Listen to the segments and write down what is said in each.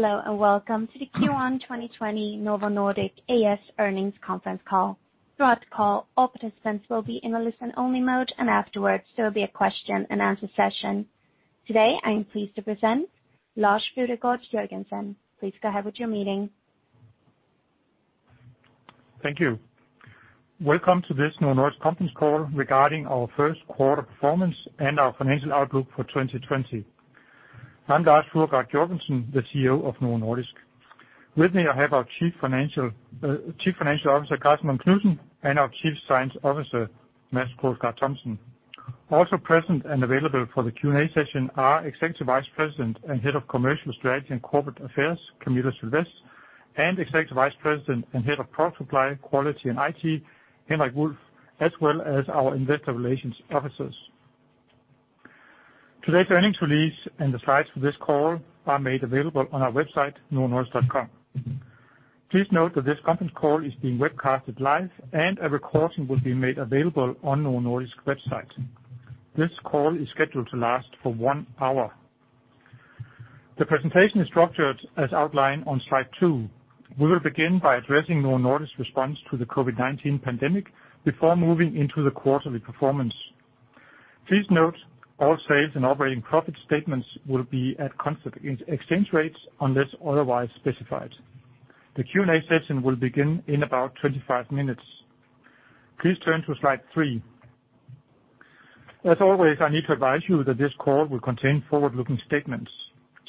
Hello, welcome to the Q1 2020 Novo Nordisk A/S earnings conference call. Throughout the call, all participants will be in a listen-only mode, and afterwards there will be a question-and-answer session. Today, I am pleased to present Lars Fruergaard Jørgensen. Please go ahead with your meeting. Thank you. Welcome to this Novo Nordisk conference call regarding our first quarter performance and our financial outlook for 2020. I'm Lars Fruergaard Jørgensen, the CEO of Novo Nordisk. With me, I have our Chief Financial Officer, Karsten Munk Knudsen, and our Chief Science Officer, Mads Krogsgaard Thomsen. Also present and available for the Q&A session are Executive Vice President and Head of Commercial Strategy and Corporate Affairs, Camilla Sylvest, and Executive Vice President and Head of Product Supply, Quality, and IT, Henrik Wulff, as well as our investor relations officers. Today's earnings release and the slides for this call are made available on our website, novonordisk.com. Please note that this conference call is being webcasted live, and a recording will be made available on Novo Nordisk's website. This call is scheduled to last for one hour. The presentation is structured as outlined on slide two. We will begin by addressing Novo Nordisk's response to the COVID-19 pandemic before moving into the quarterly performance. Please note, all sales and operating profit statements will be at constant ex-exchange rates unless otherwise specified. The Q&A session will begin in about 25 minutes. Please turn to slide three. As always, I need to advise you that this call will contain forward-looking statements.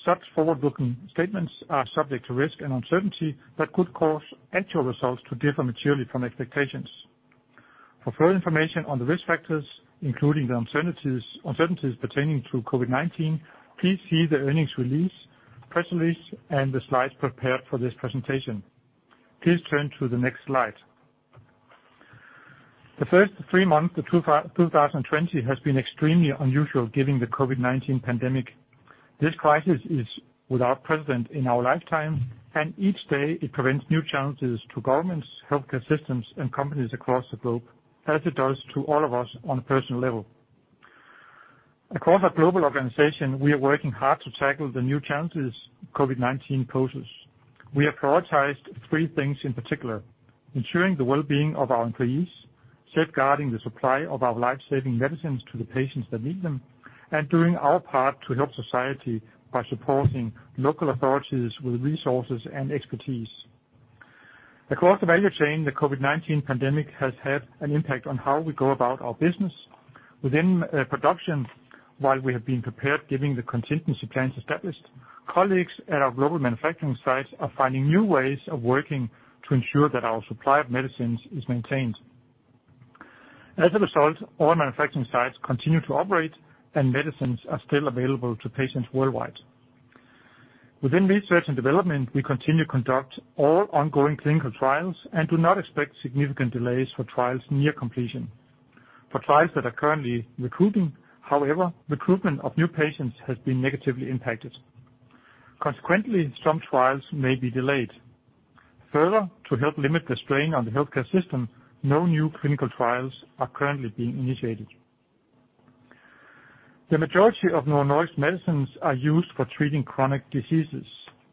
Such forward-looking statements are subject to risk and uncertainty that could cause actual results to differ materially from expectations. For further information on the risk factors, including the uncertainties pertaining to COVID-19, please see the earnings release, press release, and the slides prepared for this presentation. Please turn to the next slide. The first three months of 2020 has been extremely unusual given the COVID-19 pandemic. This crisis is without precedent in our lifetime, and each day it presents new challenges to governments, healthcare systems, and companies across the globe, as it does to all of us on a personal level. Across our global organization, we are working hard to tackle the new challenges COVID-19 poses. We have prioritized three things in particular: ensuring the well-being of our employees, safeguarding the supply of our life-saving medicines to the patients that need them, and doing our part to help society by supporting local authorities with resources and expertise. Across the value chain, the COVID-19 pandemic has had an impact on how we go about our business. Within production, while we have been prepared giving the contingency plans established, colleagues at our global manufacturing sites are finding new ways of working to ensure that our supply of medicines is maintained. As a result, all manufacturing sites continue to operate, and medicines are still available to patients worldwide. Within research and development, we continue to conduct all ongoing clinical trials and do not expect significant delays for trials near completion. For trials that are currently recruiting, however, recruitment of new patients has been negatively impacted. Consequently, some trials may be delayed. Further, to help limit the strain on the healthcare system, no new clinical trials are currently being initiated. The majority of Novo Nordisk medicines are used for treating chronic diseases.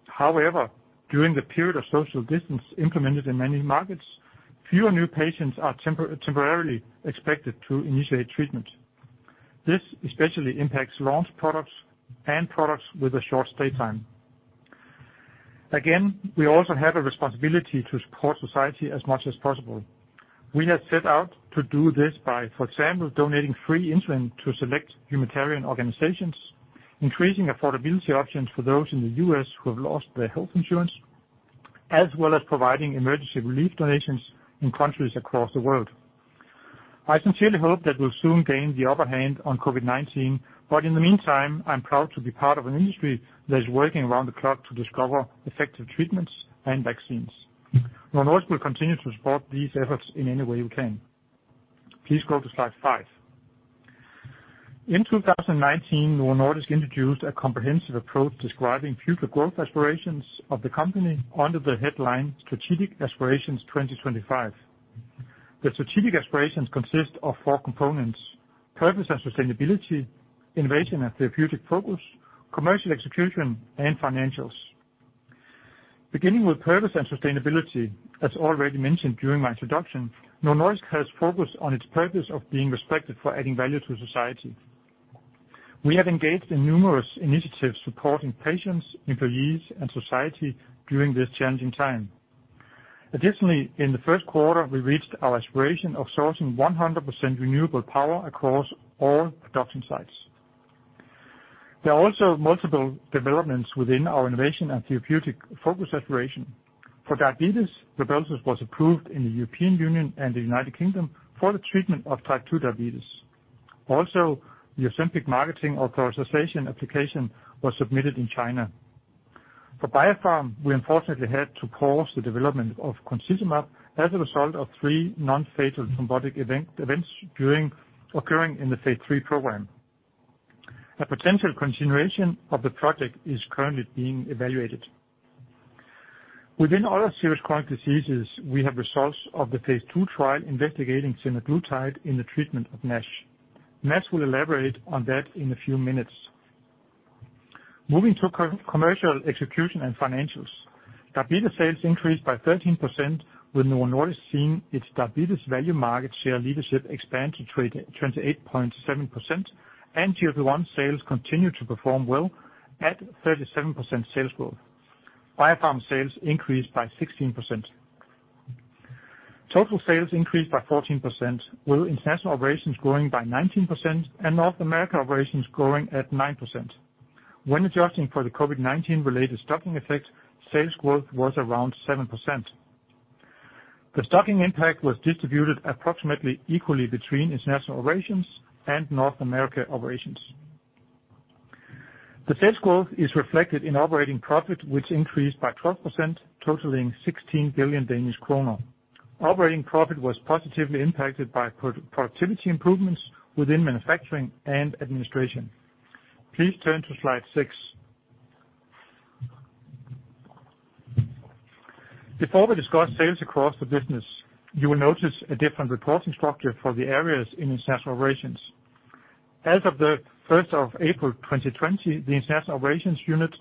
However, during the period of social distance implemented in many markets, fewer new patients are temporarily expected to initiate treatment. This especially impacts launch products and products with a short stay time. Again, we also have a responsibility to support society as much as possible. We have set out to do this by, for example, donating free insulin to select humanitarian organizations, increasing affordability options for those in the U.S. who have lost their health insurance, as well as providing emergency relief donations in countries across the world. I sincerely hope that we'll soon gain the upper hand on COVID-19. In the meantime, I'm proud to be part of an industry that is working around the clock to discover effective treatments and vaccines. Novo Nordisk will continue to support these efforts in any way we can. Please go to slide five. In 2019, Novo Nordisk introduced a comprehensive approach describing future growth aspirations of the company under the headline Strategic Aspirations 2025. The Strategic Aspirations consist of four components: purpose and sustainability, innovation and therapeutic focus, commercial execution, and financials. Beginning with purpose and sustainability, as already mentioned during my introduction, Novo Nordisk has focused on its purpose of being respected for adding value to society. We have engaged in numerous initiatives supporting patients, employees, and society during this challenging time. Additionally, in the first quarter, we reached our aspiration of sourcing 100% renewable power across all production sites. There are also multiple developments within our innovation and therapeutic focus aspiration. For diabetes, RYBELSUS was approved in the European Union and the United Kingdom for the treatment of type 2 diabetes. The Ozempic marketing authorization application was submitted in China. For Biopharm, we unfortunately had to pause the development of concizumab as a result of three non-fatal thrombotic events occurring in the phase III program. A potential continuation of the project is currently being evaluated. Within other serious chronic diseases, we have results of the phase II trial investigating semaglutide in the treatment of NASH. Mads will elaborate on that in a few minutes. Moving to commercial execution and financials. Diabetes sales increased by 13%, with Novo Nordisk seeing its diabetes value market share leadership expand to 28.7% and GLP-1 sales continue to perform well at 37% sales growth. Biopharm sales increased by 16%. Total sales increased by 14%, with international operations growing by 19% and North America operations growing at 9%. When adjusting for the COVID-19 related stocking effect, sales growth was around 7%. The stocking impact was distributed approximately equally between international operations and North America operations. The sales growth is reflected in operating profit, which increased by 12%, totaling 16 billion Danish kroner. Operating profit was positively impacted by pro-productivity improvements within manufacturing and administration. Please turn to slide six. Before we discuss sales across the business, you will notice a different reporting structure for the areas in international operations. As of the 1st of April 2020, the international operations unit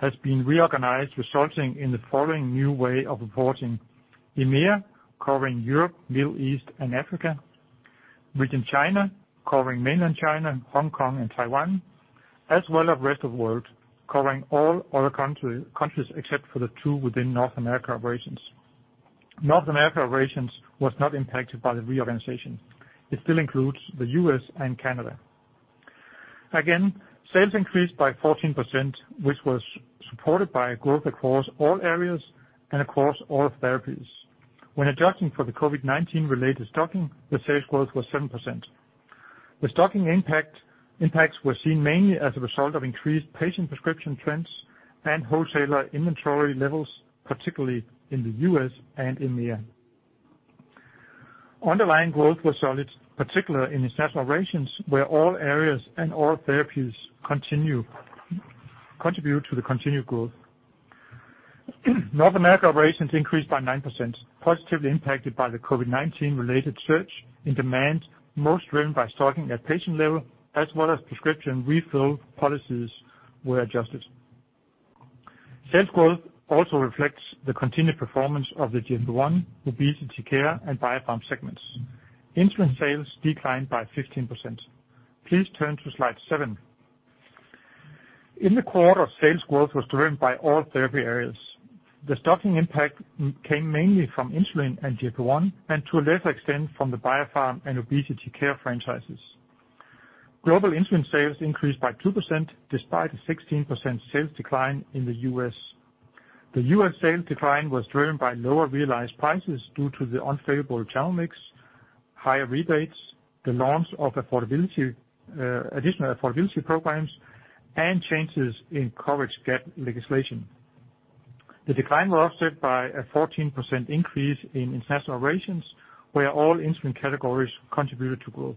has been reorganized, resulting in the following new way of reporting. EMEA covering Europe, Middle East and Africa. Region China, covering Mainland China, Hong Kong and Taiwan, as well as rest of world, covering all other countries except for the two within North America operations. North America operations was not impacted by the reorganization. It still includes the U.S. and Canada. Sales increased by 14%, which was supported by growth across all areas and across all therapies. When adjusting for the COVID-19 related stocking, the sales growth was 7%. The stocking impacts were seen mainly as a result of increased patient prescription trends and wholesaler inventory levels, particularly in the U.S. and EMEA. Underlying growth was solid, particularly in international operations, where all areas and all therapies contribute to the continued growth. North America operations increased by 9%, positively impacted by the COVID-19 related surge in demand, most driven by stocking at patient level as well as prescription refill policies were adjusted. Sales growth also reflects the continued performance of the GLP-1, Obesity Care and Biopharm segments. Insulin sales declined by 15%. Please turn to slide 7. In the quarter, sales growth was driven by all therapy areas. The stocking impact came mainly from insulin and GLP-1, and to a lesser extent from the Biopharm and obesity care franchises. Global insulin sales increased by 2% despite a 16% sales decline in the U.S. The U.S. sales decline was driven by lower realized prices due to the unfavorable channel mix, higher rebates, the launch of affordability, additional affordability programs, and changes in coverage gap legislation. The decline was offset by a 14% increase in international operations, where all insulin categories contributed to growth.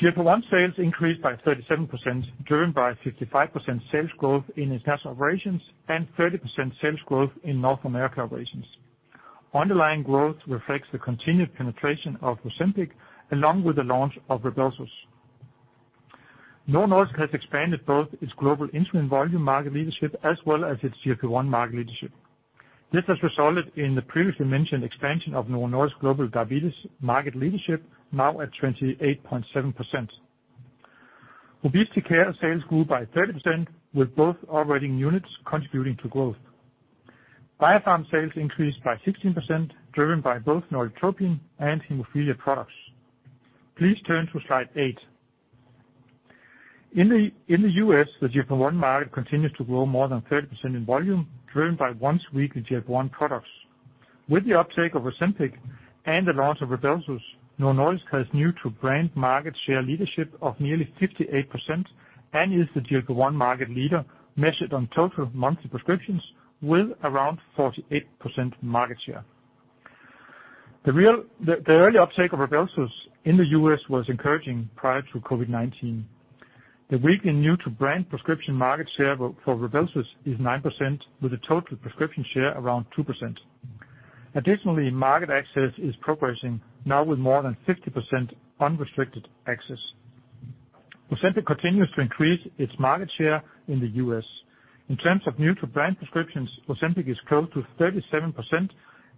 GLP-1 sales increased by 37%, driven by 55% sales growth in international operations and 30% sales growth in North America operations. Underlying growth reflects the continued penetration of Ozempic along with the launch of RYBELSUS. Novo Nordisk has expanded both its global insulin volume market leadership as well as its GLP-1 market leadership. This has resulted in the previously mentioned expansion of Novo Nordisk global diabetes market leadership, now at 28.7%. Obesity care sales grew by 30%, with both operating units contributing to growth. Biopharm sales increased by 16%, driven by both Norditropin and hemophilia products. Please turn to slide eight. In the U.S., the GLP-1 market continues to grow more than 30% in volume, driven by once-weekly GLP-1 products. With the uptake of Ozempic and the launch of RYBELSUS, Novo Nordisk has new to brand market share leadership of nearly 58% and is the GLP-1 market leader measured on total monthly prescriptions with around 48% market share. The early uptake of RYBELSUS in the U.S. was encouraging prior to COVID-19. The week in new to brand prescription market share for RYBELSUS is 9% with a total prescription share around 2%. Additionally, market access is progressing now with more than 50% unrestricted access. Ozempic continues to increase its market share in the U.S. In terms of new-to-brand prescriptions, Ozempic is close to 37%,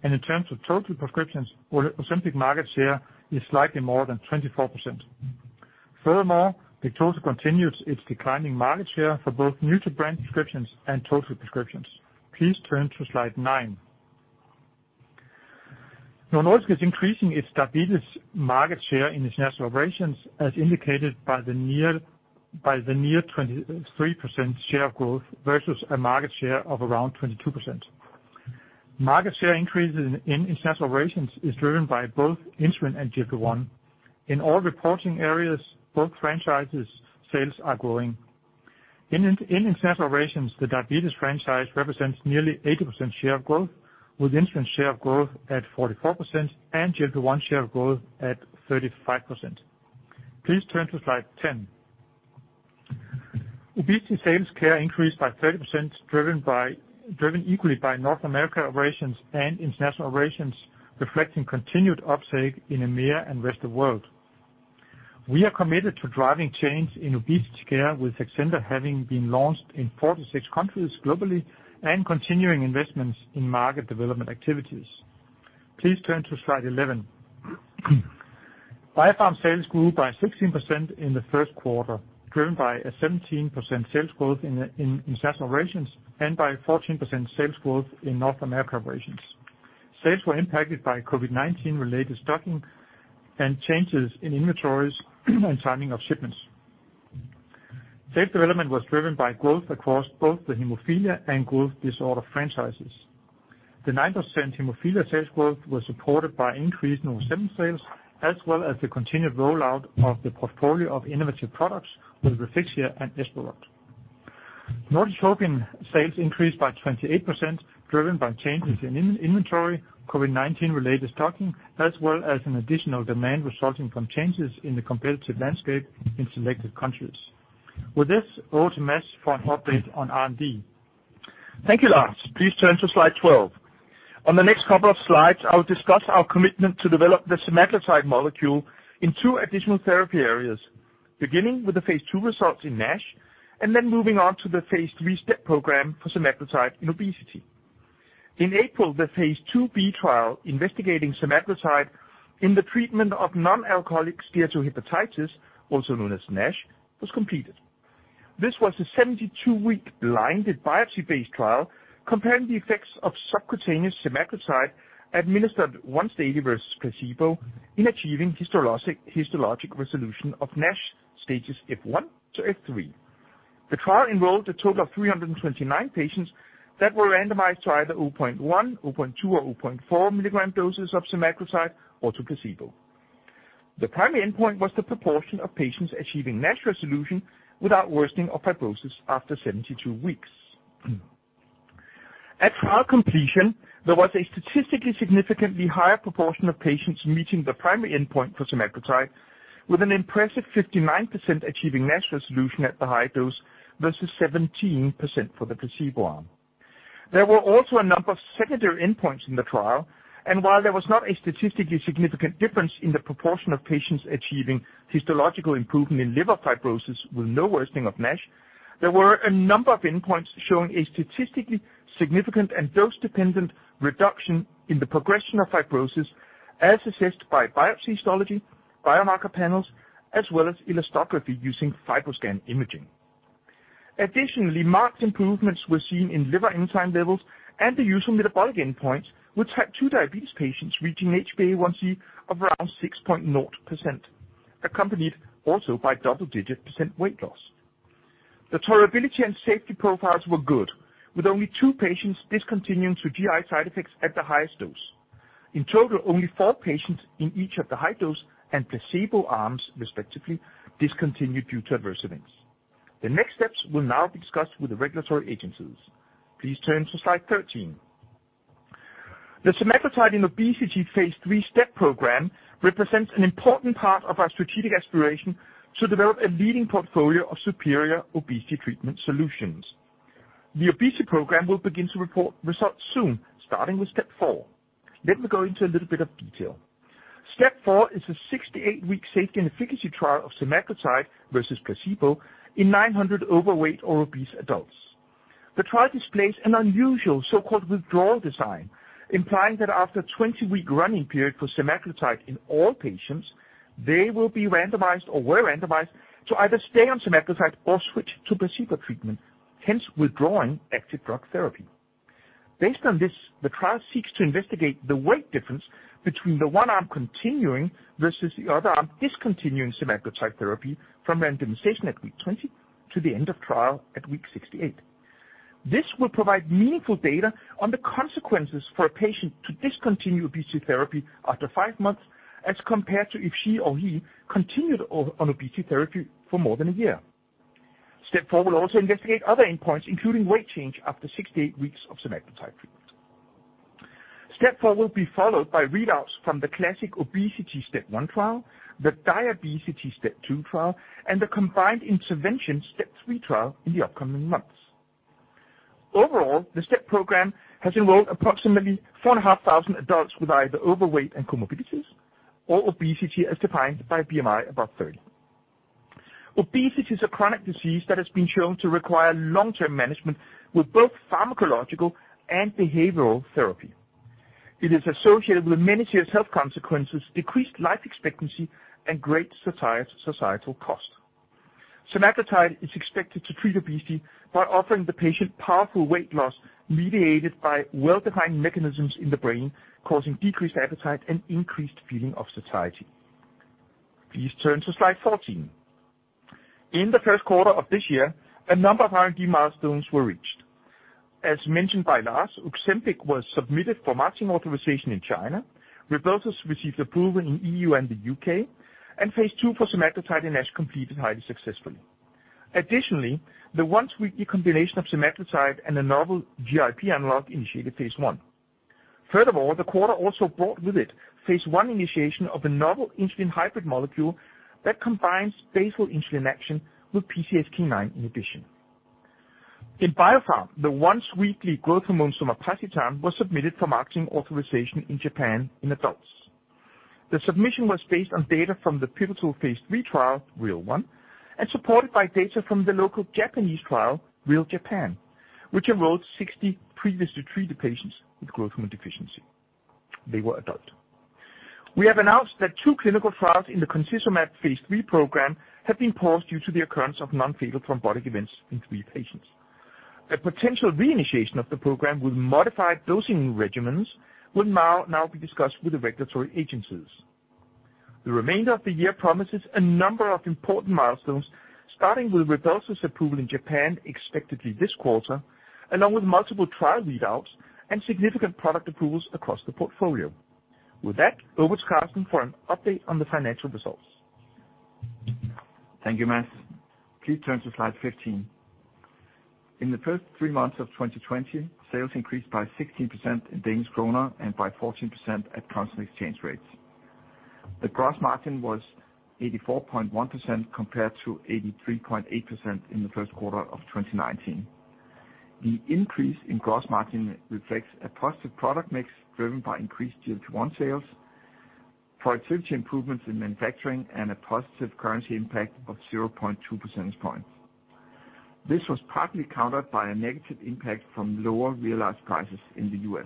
and in terms of total prescriptions, Ozempic market share is slightly more than 24%. Furthermore, Victoza continues its declining market share for both new-to-brand prescriptions and total prescriptions. Please turn to slide nine. Novo Nordisk is increasing its diabetes market share in international operations, as indicated by the near 23% share of growth versus a market share of around 22%. Market share increases in international operations is driven by both insulin and GLP-1. In all reporting areas, both franchises sales are growing. In international operations, the diabetes franchise represents nearly 80% share of growth, with insulin share of growth at 44% and GLP-1 share of growth at 35%. Please turn to slide 10. Obesity sales increased by 30%, driven equally by North America operations and international operations, reflecting continued uptake in EMEA and rest of world. We are committed to driving change in obesity care, with Saxenda having been launched in 46 countries globally and continuing investments in market development activities. Please turn to slide 11. Biopharm sales grew by 16% in the first quarter, driven by a 17% sales growth in international operations and by 14% sales growth in North America operations. Sales were impacted by COVID-19 related stocking and changes in inventories and timing of shipments. Sales development was driven by growth across both the hemophilia and growth disorder franchises. The 9% hemophilia sales growth was supported by increase in Ozempic sales, as well as the continued rollout of the portfolio of innovative products with Refixia and Esperoct. Norditropin sales increased by 28%, driven by changes in inventory, COVID-19 related stocking, as well as an additional demand resulting from changes in the competitive landscape in selected countries. With this, over to Mads for an update on R&D. Thank you, Lars. Please turn to slide 12. On the next couple of slides, I will discuss our commitment to develop the semaglutide molecule in two additional therapy areas, beginning with the phase II results in NASH, moving on to the phase III STEP program for semaglutide in obesity. In April, the phase II-B trial investigating semaglutide in the treatment of non-alcoholic steatohepatitis, also known as NASH, was completed. This was a 72-week blinded biopsy-based trial comparing the effects of subcutaneous semaglutide administered once daily versus placebo in achieving histologic resolution of NASH stages F1-F3. The trial enrolled a total of 329 patients that were randomized to either 0.1 mg, 0.2 mg or 0.4 mg doses of semaglutide or to placebo. The primary endpoint was the proportion of patients achieving NASH resolution without worsening of fibrosis after 72 weeks. At trial completion, there was a statistically significantly higher proportion of patients meeting the primary endpoint for semaglutide, with an impressive 59% achieving NASH resolution at the high dose versus 17% for the placebo arm. There were also a number of secondary endpoints in the trial, and while there was not a statistically significant difference in the proportion of patients achieving histological improvement in liver fibrosis with no worsening of NASH, there were a number of endpoints showing a statistically significant and dose-dependent reduction in the progression of fibrosis, as assessed by biopsy histology, biomarker panels, as well as elastography using FibroScan imaging. Additionally, marked improvements were seen in liver enzyme levels and the usual metabolic endpoints, which had two diabetes patients reaching HbA1c of around 6.0%, accompanied also by double-digit percent weight loss. The tolerability and safety profiles were good, with only two patients discontinuing to GI side effects at the highest dose. In total, only four patients in each of the high dose and placebo arms respectively discontinued due to adverse events. The next steps will now be discussed with the regulatory agencies. Please turn to slide 13. The semaglutide in obesity phase III STEP program represents an important part of our strategic aspiration to develop a leading portfolio of superior obesity treatment solutions. The obesity program will begin to report results soon, starting with STEP 4. Let me go into a little bit of detail. STEP 4 is a 68-week safety and efficacy trial of semaglutide versus placebo in 900 overweight or obese adults. The trial displays an unusual so-called withdrawal design, implying that after 20-week running period for semaglutide in all patients, they will be randomized or were randomized to either stay on semaglutide or switch to placebo treatment, hence withdrawing active drug therapy. Based on this, the trial seeks to investigate the weight difference between the one arm continuing versus the other arm discontinuing semaglutide therapy from randomization at week 20 to the end of trial at week 68. This will provide meaningful data on the consequences for a patient to discontinue obesity therapy after five months, as compared to if she or he continued on obesity therapy for more than one year. STEP 4 will also investigate other endpoints, including weight change after 68 weeks of semaglutide treatment. STEP 4 will be followed by readouts from the classic obesity STEP 1 trial, the diabetes STEP 2 trial, and the combined intervention STEP 3 trial in the upcoming months. Overall, the STEP program has enrolled approximately 4,500 adults with either overweight and comorbidities or obesity as defined by BMI above 30. Obesity is a chronic disease that has been shown to require long-term management with both pharmacological and behavioral therapy. It is associated with many serious health consequences, decreased life expectancy and great societal cost. semaglutide is expected to treat obesity by offering the patient powerful weight loss mediated by well-defined mechanisms in the brain, causing decreased appetite and increased feeling of satiety. Please turn to slide 14. In the first quarter of this year, a number of R&D milestones were reached. As mentioned by Lars, Ozempic was submitted for matching authorization in China, RYBELSUS received approval in EU and the U.K., and phase II for semaglutide in NASH completed highly successfully. The once-weekly combination of semaglutide and a novel GIP analog initiated phase I. The quarter also brought with it phase I initiation of a novel insulin hybrid molecule that combines basal insulin action with PCSK9 inhibition. In Biopharm, the once-weekly growth hormone somapacitan was submitted for marketing authorization in Japan in adults. The submission was based on data from the pivotal phase III trial, REAL 1, and supported by data from the local Japanese trial, REAL Japan, which enrolled 60 previously treated patients with growth hormone deficiency. They were adult. We have announced that two clinical trials in the concizumab phase III program have been paused due to the occurrence of non-fatal thrombotic events in three patients. A potential reinitiation of the program with modified dosing regimens will now be discussed with the regulatory agencies. The remainder of the year promises a number of important milestones, starting with RYBELSUS approval in Japan, expectedly this quarter, along with multiple trial readouts and significant product approvals across the portfolio. With that, over to Karsten for an update on the financial results. Thank you, Mads. Please turn to slide 15. In the first three months of 2020, sales increased by 16% in Danish kroner and by 14% at constant exchange rates. The gross margin was 84.1% compared to 83.8% in the first quarter of 2019. The increase in gross margin reflects a positive product mix driven by increased GLP-1 sales, productivity improvements in manufacturing, and a positive currency impact of 0.2 percentage points. This was partly countered by a negative impact from lower realized prices in the U.S.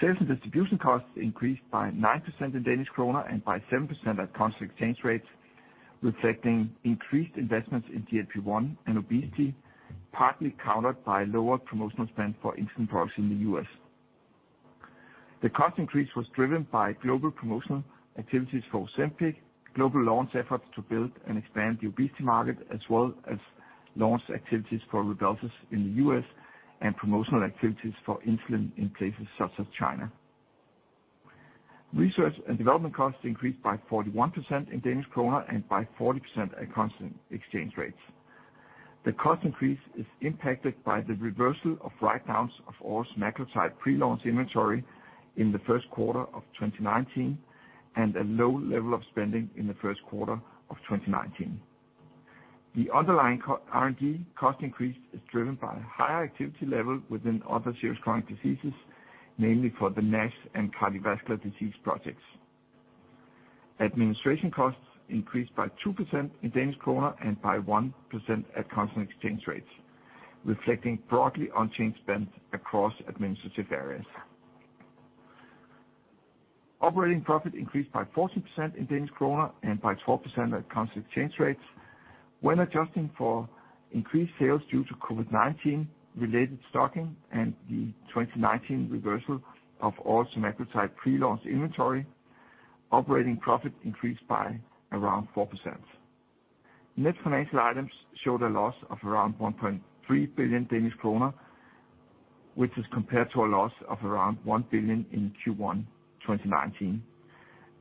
Sales and distribution costs increased by 9% in Danish kroner and by 7% at constant exchange rates, reflecting increased investments in GLP-1 and obesity, partly countered by lower promotional spend for insulin products in the U.S. The cost increase was driven by global promotional activities for Ozempic, global launch efforts to build and expand the obesity market, as well as launch activities for RYBELSUS in the U.S. and promotional activities for insulin in places such as China. Research and development costs increased by 41% in DKK and by 40% at constant exchange rates. The cost increase is impacted by the reversal of write-downs of oral semaglutide pre-launch inventory in the first quarter of 2019, and a low level of spending in the first quarter of 2019. The underlying R&D cost increase is driven by higher activity level within other serious chronic diseases, mainly for the NASH and cardiovascular disease projects. Administration costs increased by 2% in DKK and by 1% at constant exchange rates, reflecting broadly unchanged spend across administrative areas. Operating profit increased by 14% in Danish kroner and by 12% at constant exchange rates. When adjusting for increased sales due to COVID-19 related stocking and the 2019 reversal of oral semaglutide pre-launch inventory, operating profit increased by around 4%. Net financial items show the loss of around 1.3 billion Danish kroner, which is compared to a loss of around 1 billion in Q1 2019.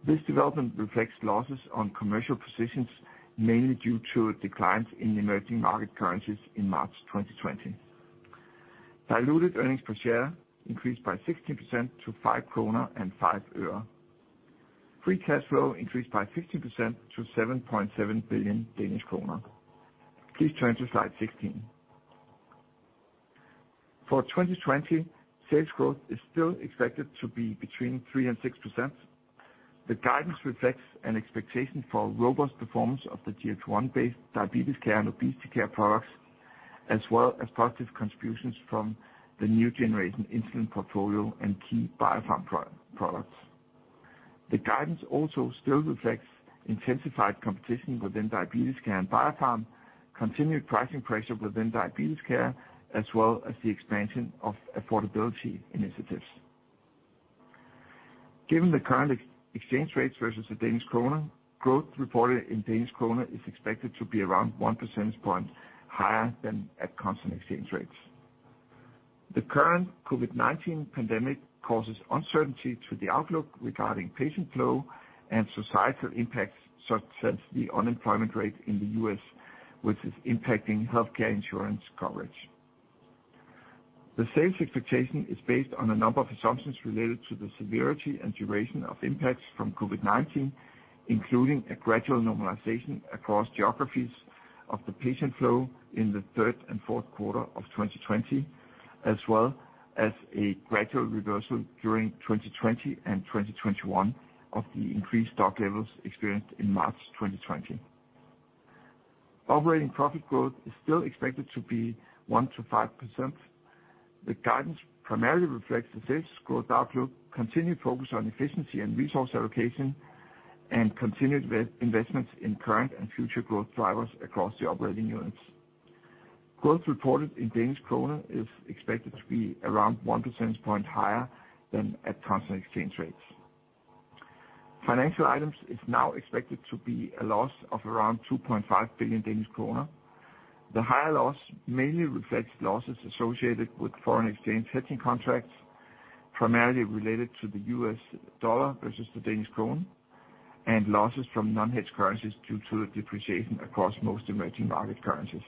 This development reflects losses on commercial positions, mainly due to declines in emerging market currencies in March 2020. Diluted earnings per share increased by 16% to 5.05 kroner. Free cash flow increased by 15% to 7.7 billion Danish krone. Please turn to slide 16. For 2020, sales growth is still expected to be between 3% and 6%. The guidance reflects an expectation for robust performance of the GLP-1 based diabetes care and obesity care products, as well as positive contributions from the new generation insulin portfolio and key Biopharm products. The guidance also still reflects intensified competition within Diabetes Care and Biopharm, continued pricing pressure within Diabetes Care, as well as the expansion of affordability initiatives. Given the current ex-exchange rates versus the Danish kroner, growth reported in Danish kroner is expected to be around 1 percentage point higher than at constant exchange rates. The current COVID-19 pandemic causes uncertainty to the outlook regarding patient flow and societal impacts, such as the unemployment rate in the U.S., which is impacting healthcare insurance coverage. The sales expectation is based on a number of assumptions related to the severity and duration of impacts from COVID-19, including a gradual normalization across geographies of the patient flow in the third and fourth quarter of 2020, as well as a gradual reversal during 2020 and 2021 of the increased stock levels experienced in March 2020. Operating profit growth is still expected to be 1%-5%. The guidance primarily reflects the sales growth outlook, continued investments in current and future growth drivers across the operating units. Growth reported in Danish kroner is expected to be around one percentage point higher than at constant exchange rates. Financial items is now expected to be a loss of around 2.5 billion Danish kroner. The higher loss mainly reflects losses associated with foreign exchange hedging contracts. Primarily related to the U.S. dollar versus the Danish krone, and losses from non-hedge currencies due to depreciation across most emerging market currencies.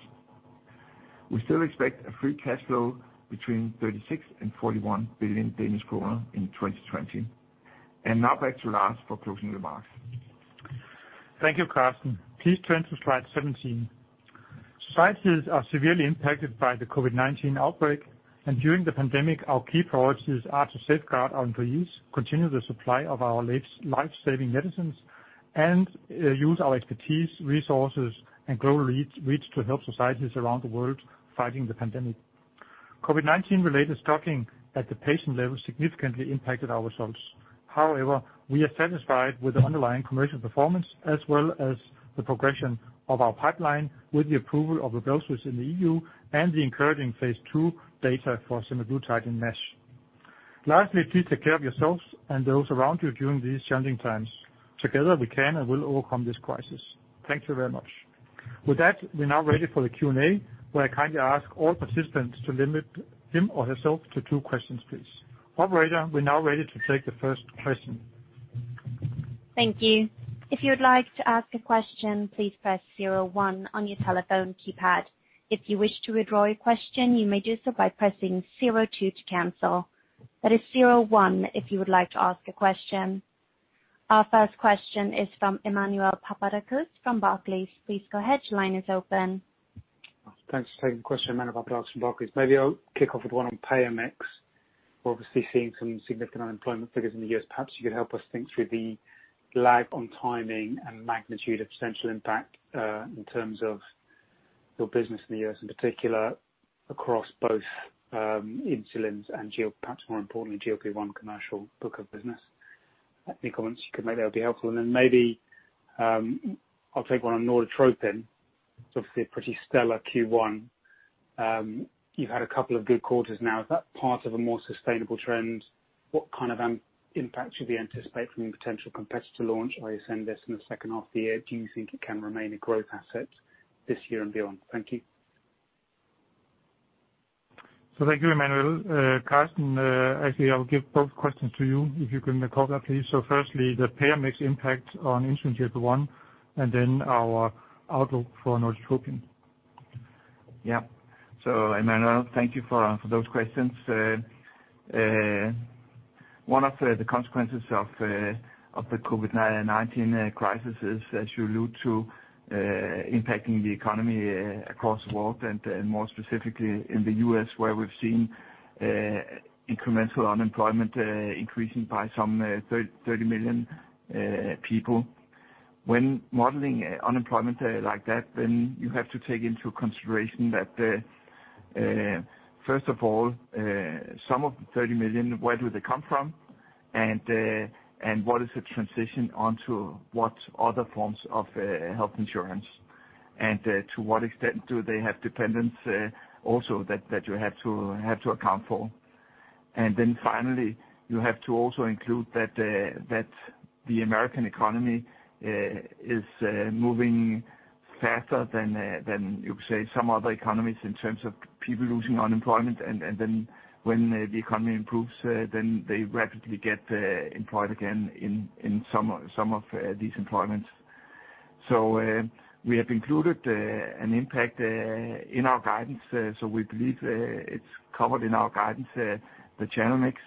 We still expect a free cash flow between 36 billion and 41 billion Danish kroner in 2020. Now back to Lars for closing remarks. Thank you, Karsten. Please turn to slide 17. Societies are severely impacted by the COVID-19 outbreak, during the pandemic, our key priorities are to safeguard our employees, continue the supply of our life-saving medicines, and use our expertise, resources, and global reach to help societies around the world fighting the pandemic. COVID-19 related stocking at the patient level significantly impacted our results. We are satisfied with the underlying commercial performance as well as the progression of our pipeline with the approval of RYBELSUS in the EU and the encouraging phase II data for semaglutide in NASH. Please take care of yourselves and those around you during these challenging times. Together, we can and will overcome this crisis. Thank you very much. With that, we're now ready for the Q&A, where I kindly ask all participants to limit him or herself to two questions, please. Operator, we're now ready to take the first question. Thank you. If you would like to ask a question, please press zero one on your telephone keypad. If you wish to withdraw your question, you may do so by pressing zero two to cancel. That is zero one if you would like to ask a question. Our first question is from Emmanuel Papadakis from Barclays. Please go ahead, your line is open. Thanks for taking the question. Emmanuel Papadakis from Barclays. I'll kick off with one on payer mix. We're obviously seeing some significant unemployment figures in the U.S. Perhaps you could help us think through the lag on timing and magnitude of potential impact in terms of your business in the U.S., in particular across both insulins and GLP-1 commercial book of business. Any comments you can make there will be helpful. I'll take one on Norditropin. It's obviously a pretty stellar Q1. You've had a couple of good quarters now. Is that part of a more sustainable trend? What kind of impact should we anticipate from your potential competitor launch by Ascendis in the second half of the year? Do you think it can remain a growth asset this year and beyond? Thank you. Thank you, Emmanuel. Karsten, actually I'll give both questions to you if you can cover please. firstly, the payer mix impact on insulin GLP-1 and then our outlook for Norditropin. Yeah. Emmanuel, thank you for those questions. One of the consequences of the COVID-19 crisis is as you allude to, impacting the economy across the world and more specifically in the U.S. where we've seen incremental unemployment increasing by some 30 million people. When modeling unemployment like that, then you have to take into consideration that, first of all, some of the 30 million, where do they come from? What is the transition onto what other forms of health insurance? To what extent do they have dependents also that you have to account for. Finally, you have to also include that the American economy is moving faster than you could say some other economies in terms of people losing unemployment and then when the economy improves, then they rapidly get employed again in some of these employments. We have included an impact in our guidance. We believe it's covered in our guidance, the channel mix.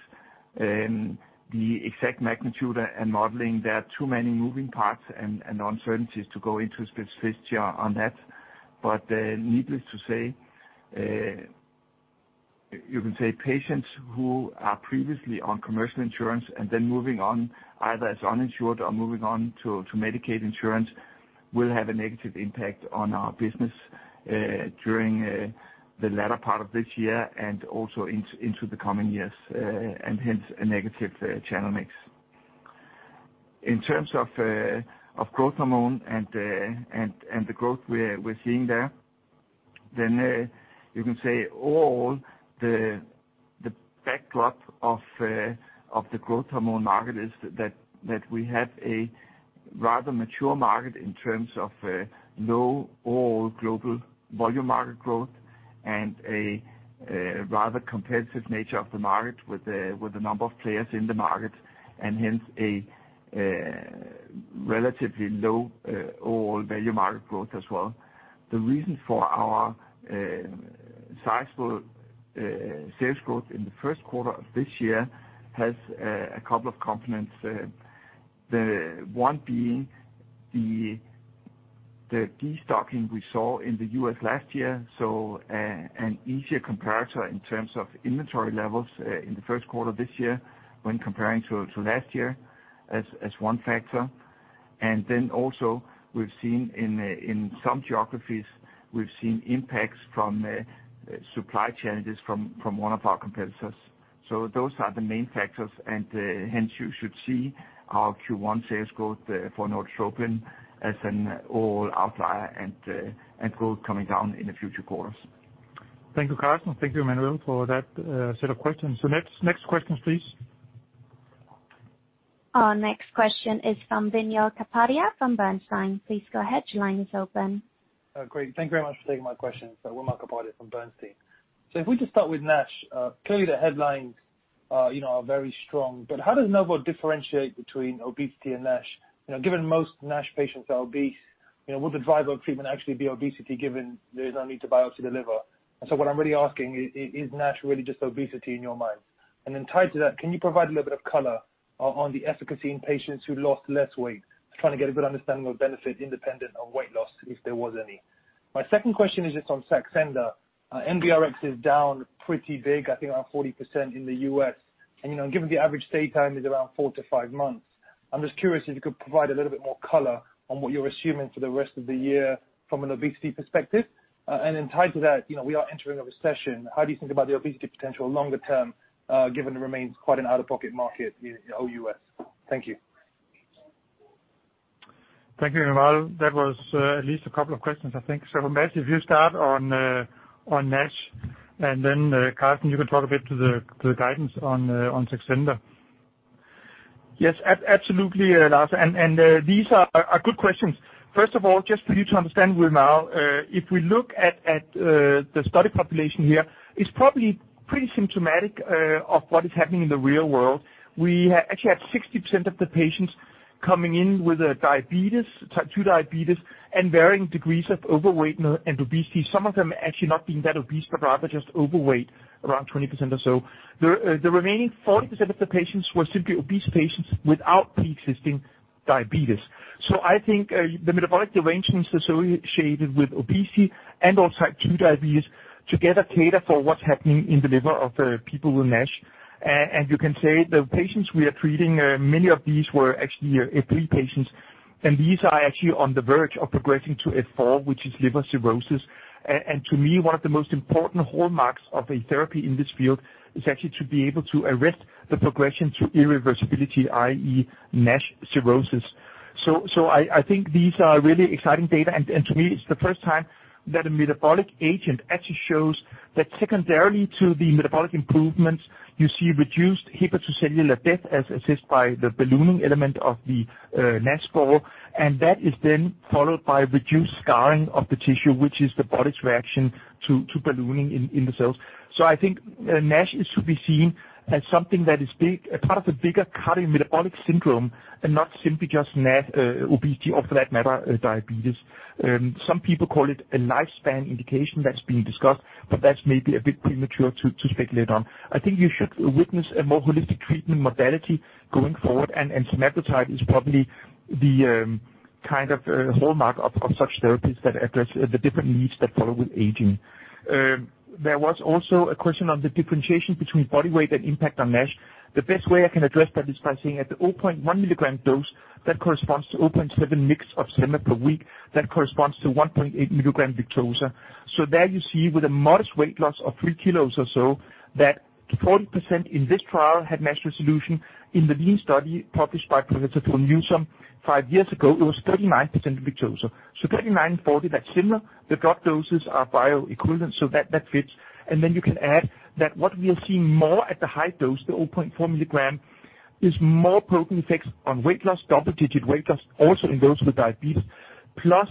The exact magnitude and modeling, there are too many moving parts and uncertainties to go into specificity on that. Needless to say, you can say patients who are previously on commercial insurance and then moving on either as uninsured or moving on to Medicaid insurance will have a negative impact on our business during the latter part of this year and also into the coming years and hence a negative channel mix. In terms of growth hormone and the growth we're seeing there, then you can say all the backdrop of the growth hormone market is that we have a rather mature market in terms of low overall global volume market growth and a rather competitive nature of the market with the number of players in the market and hence a relatively low overall value market growth as well. The reason for our sizable sales growth in the first quarter of this year has a couple of components. The one being the destocking we saw in the U.S. last year. An easier comparator in terms of inventory levels in the first quarter this year when comparing to last year as one factor. Also we've seen in some geographies, we've seen impacts from supply challenges from one of our competitors. Those are the main factors and hence you should see our Q1 sales growth for Norditropin as an overall outlier and growth coming down in the future quarters. Thank you, Karsten. Thank you, Emmanuel, for that set of questions. Next question, please. Our next question is from Wimal Kapadia from Bernstein. Please go ahead. Great. Thank you very much for taking my question. Wimal Kapadia from Bernstein. If we just start with NASH, clearly the headlines are, you know, are very strong, but how does Novo differentiate between obesity and NASH? You know, given most NASH patients are obese, you know, will the driver of treatment actually be obesity given there is no need to biopsy the liver? What I'm really asking is NASH really just obesity in your mind? Tied to that, can you provide a little bit of color on the efficacy in patients who lost less weight? Just trying to get a good understanding of benefit independent of weight loss, if there was any. My second question is just on Saxenda. NBRx is down pretty big, I think around 40% in the U.S., and, you know, given the average stay time is around four to five months, I'm just curious if you could provide a little bit more color on what you're assuming for the rest of the year from an obesity perspective. Tied to that, you know, we are entering a recession. How do you think about the obesity potential longer term, given it remains quite an out-of-pocket market in the whole U.S.? Thank you. Thank you, Wimal. That was, at least two questions, I think. Mads, if you start on NASH, and then, Karsten, you can talk a bit to the, to the guidance on Saxenda. Yes, absolutely, Lars. These are good questions. First of all, just for you to understand, Wimal, if we look at the study population here, it's probably pretty symptomatic of what is happening in the real world. We actually had 60% of the patients coming in with diabetes, type 2 diabetes, and varying degrees of overweight and obesity, some of them actually not being that obese, but rather just overweight, around 20% or so. The remaining 40% of the patients were simply obese patients without pre-existing diabetes. I think the metabolic derangements associated with obesity and/or type 2 diabetes together cater for what's happening in the liver of people with NASH. You can say the patients we are treating, many of these were actually F3 patients, and these are actually on the verge of progressing to F4, which is liver cirrhosis. To me, one of the most important hallmarks of a therapy in this field is actually to be able to arrest the progression to irreversibility, i.e. NASH cirrhosis. I think these are really exciting data, to me, it's the first time that a metabolic agent actually shows that secondarily to the metabolic improvements, you see reduced hepatocellular death as assessed by the ballooning element of the NASH score, that is then followed by reduced scarring of the tissue, which is the body's reaction to ballooning in the cells. I think NASH is to be seen as something that is big, a part of the bigger cardiometabolic syndrome and not simply just NASH, obesity or for that matter, diabetes. Some people call it a lifespan indication that's being discussed, but that's maybe a bit premature to speculate on. I think you should witness a more holistic treatment modality going forward, and semaglutide is probably the kind of hallmark of such therapies that address the different needs that follow with aging. There was also a question on the differentiation between body weight and impact on NASH. The best way I can address that is by saying at the 0.1 mg dose, that corresponds to 0.7 mg of sema per week, that corresponds to 1.8 mg Victoza. There you see with a modest weight loss of 3 kg or so that 40% in this trial had NASH resolution. In the LEAN study published by Professor Philip Newsome five years ago, it was 39% Victoza. 39%, 40%, that's similar. The drop doses are bioequivalent, so that fits. Then you can add that what we are seeing more at the high dose, the 0.4 mg, is more potent effects on weight loss, double-digit weight loss, also in those with diabetes, plus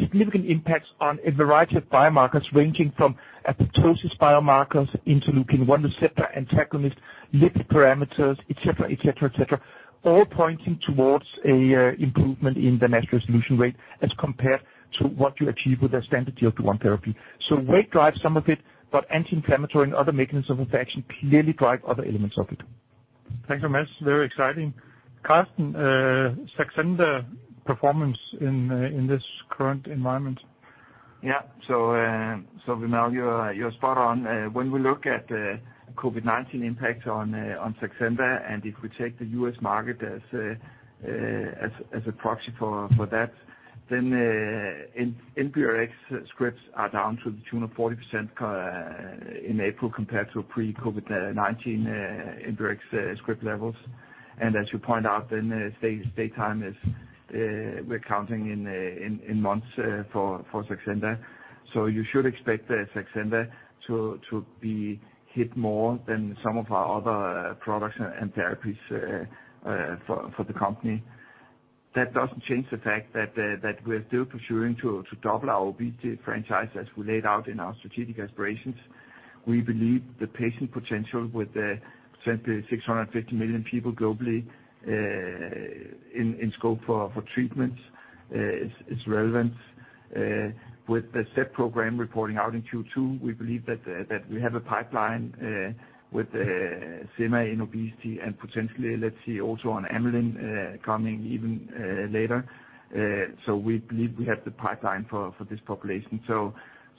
significant impacts on a variety of biomarkers ranging from apoptosis biomarkers, interleukin-1 receptor antagonist, lipid parameters, et cetera, et cetera, et cetera, all pointing towards an improvement in the NASH resolution rate as compared to what you achieve with a standard GLP-1 therapy. Weight drives some of it, but anti-inflammatory and other mechanisms of action clearly drive other elements of it. Thanks so much. Very exciting. Karsten, Saxenda performance in this current environment. Yeah. Wimal, you're spot on. When we look at COVID-19 impact on Saxenda, and if we take the U.S. market as a proxy for that, NBRx scripts are down to the tune of 40% in April compared to pre-COVID-19 NBRx script levels. As you point out, stay time is we're counting in months for Saxenda. You should expect Saxenda to be hit more than some of our other products and therapies for the company. That doesn't change the fact that we're still pursuing to double our obesity franchise as we laid out in our strategic aspirations. We believe the patient potential with potentially 650 million people globally in scope for treatment is relevant. With the STEP program reporting out in Q2, we believe that we have a pipeline with semaglutide in obesity and potentially, let's see also on amylin, coming even later. We believe we have the pipeline for this population.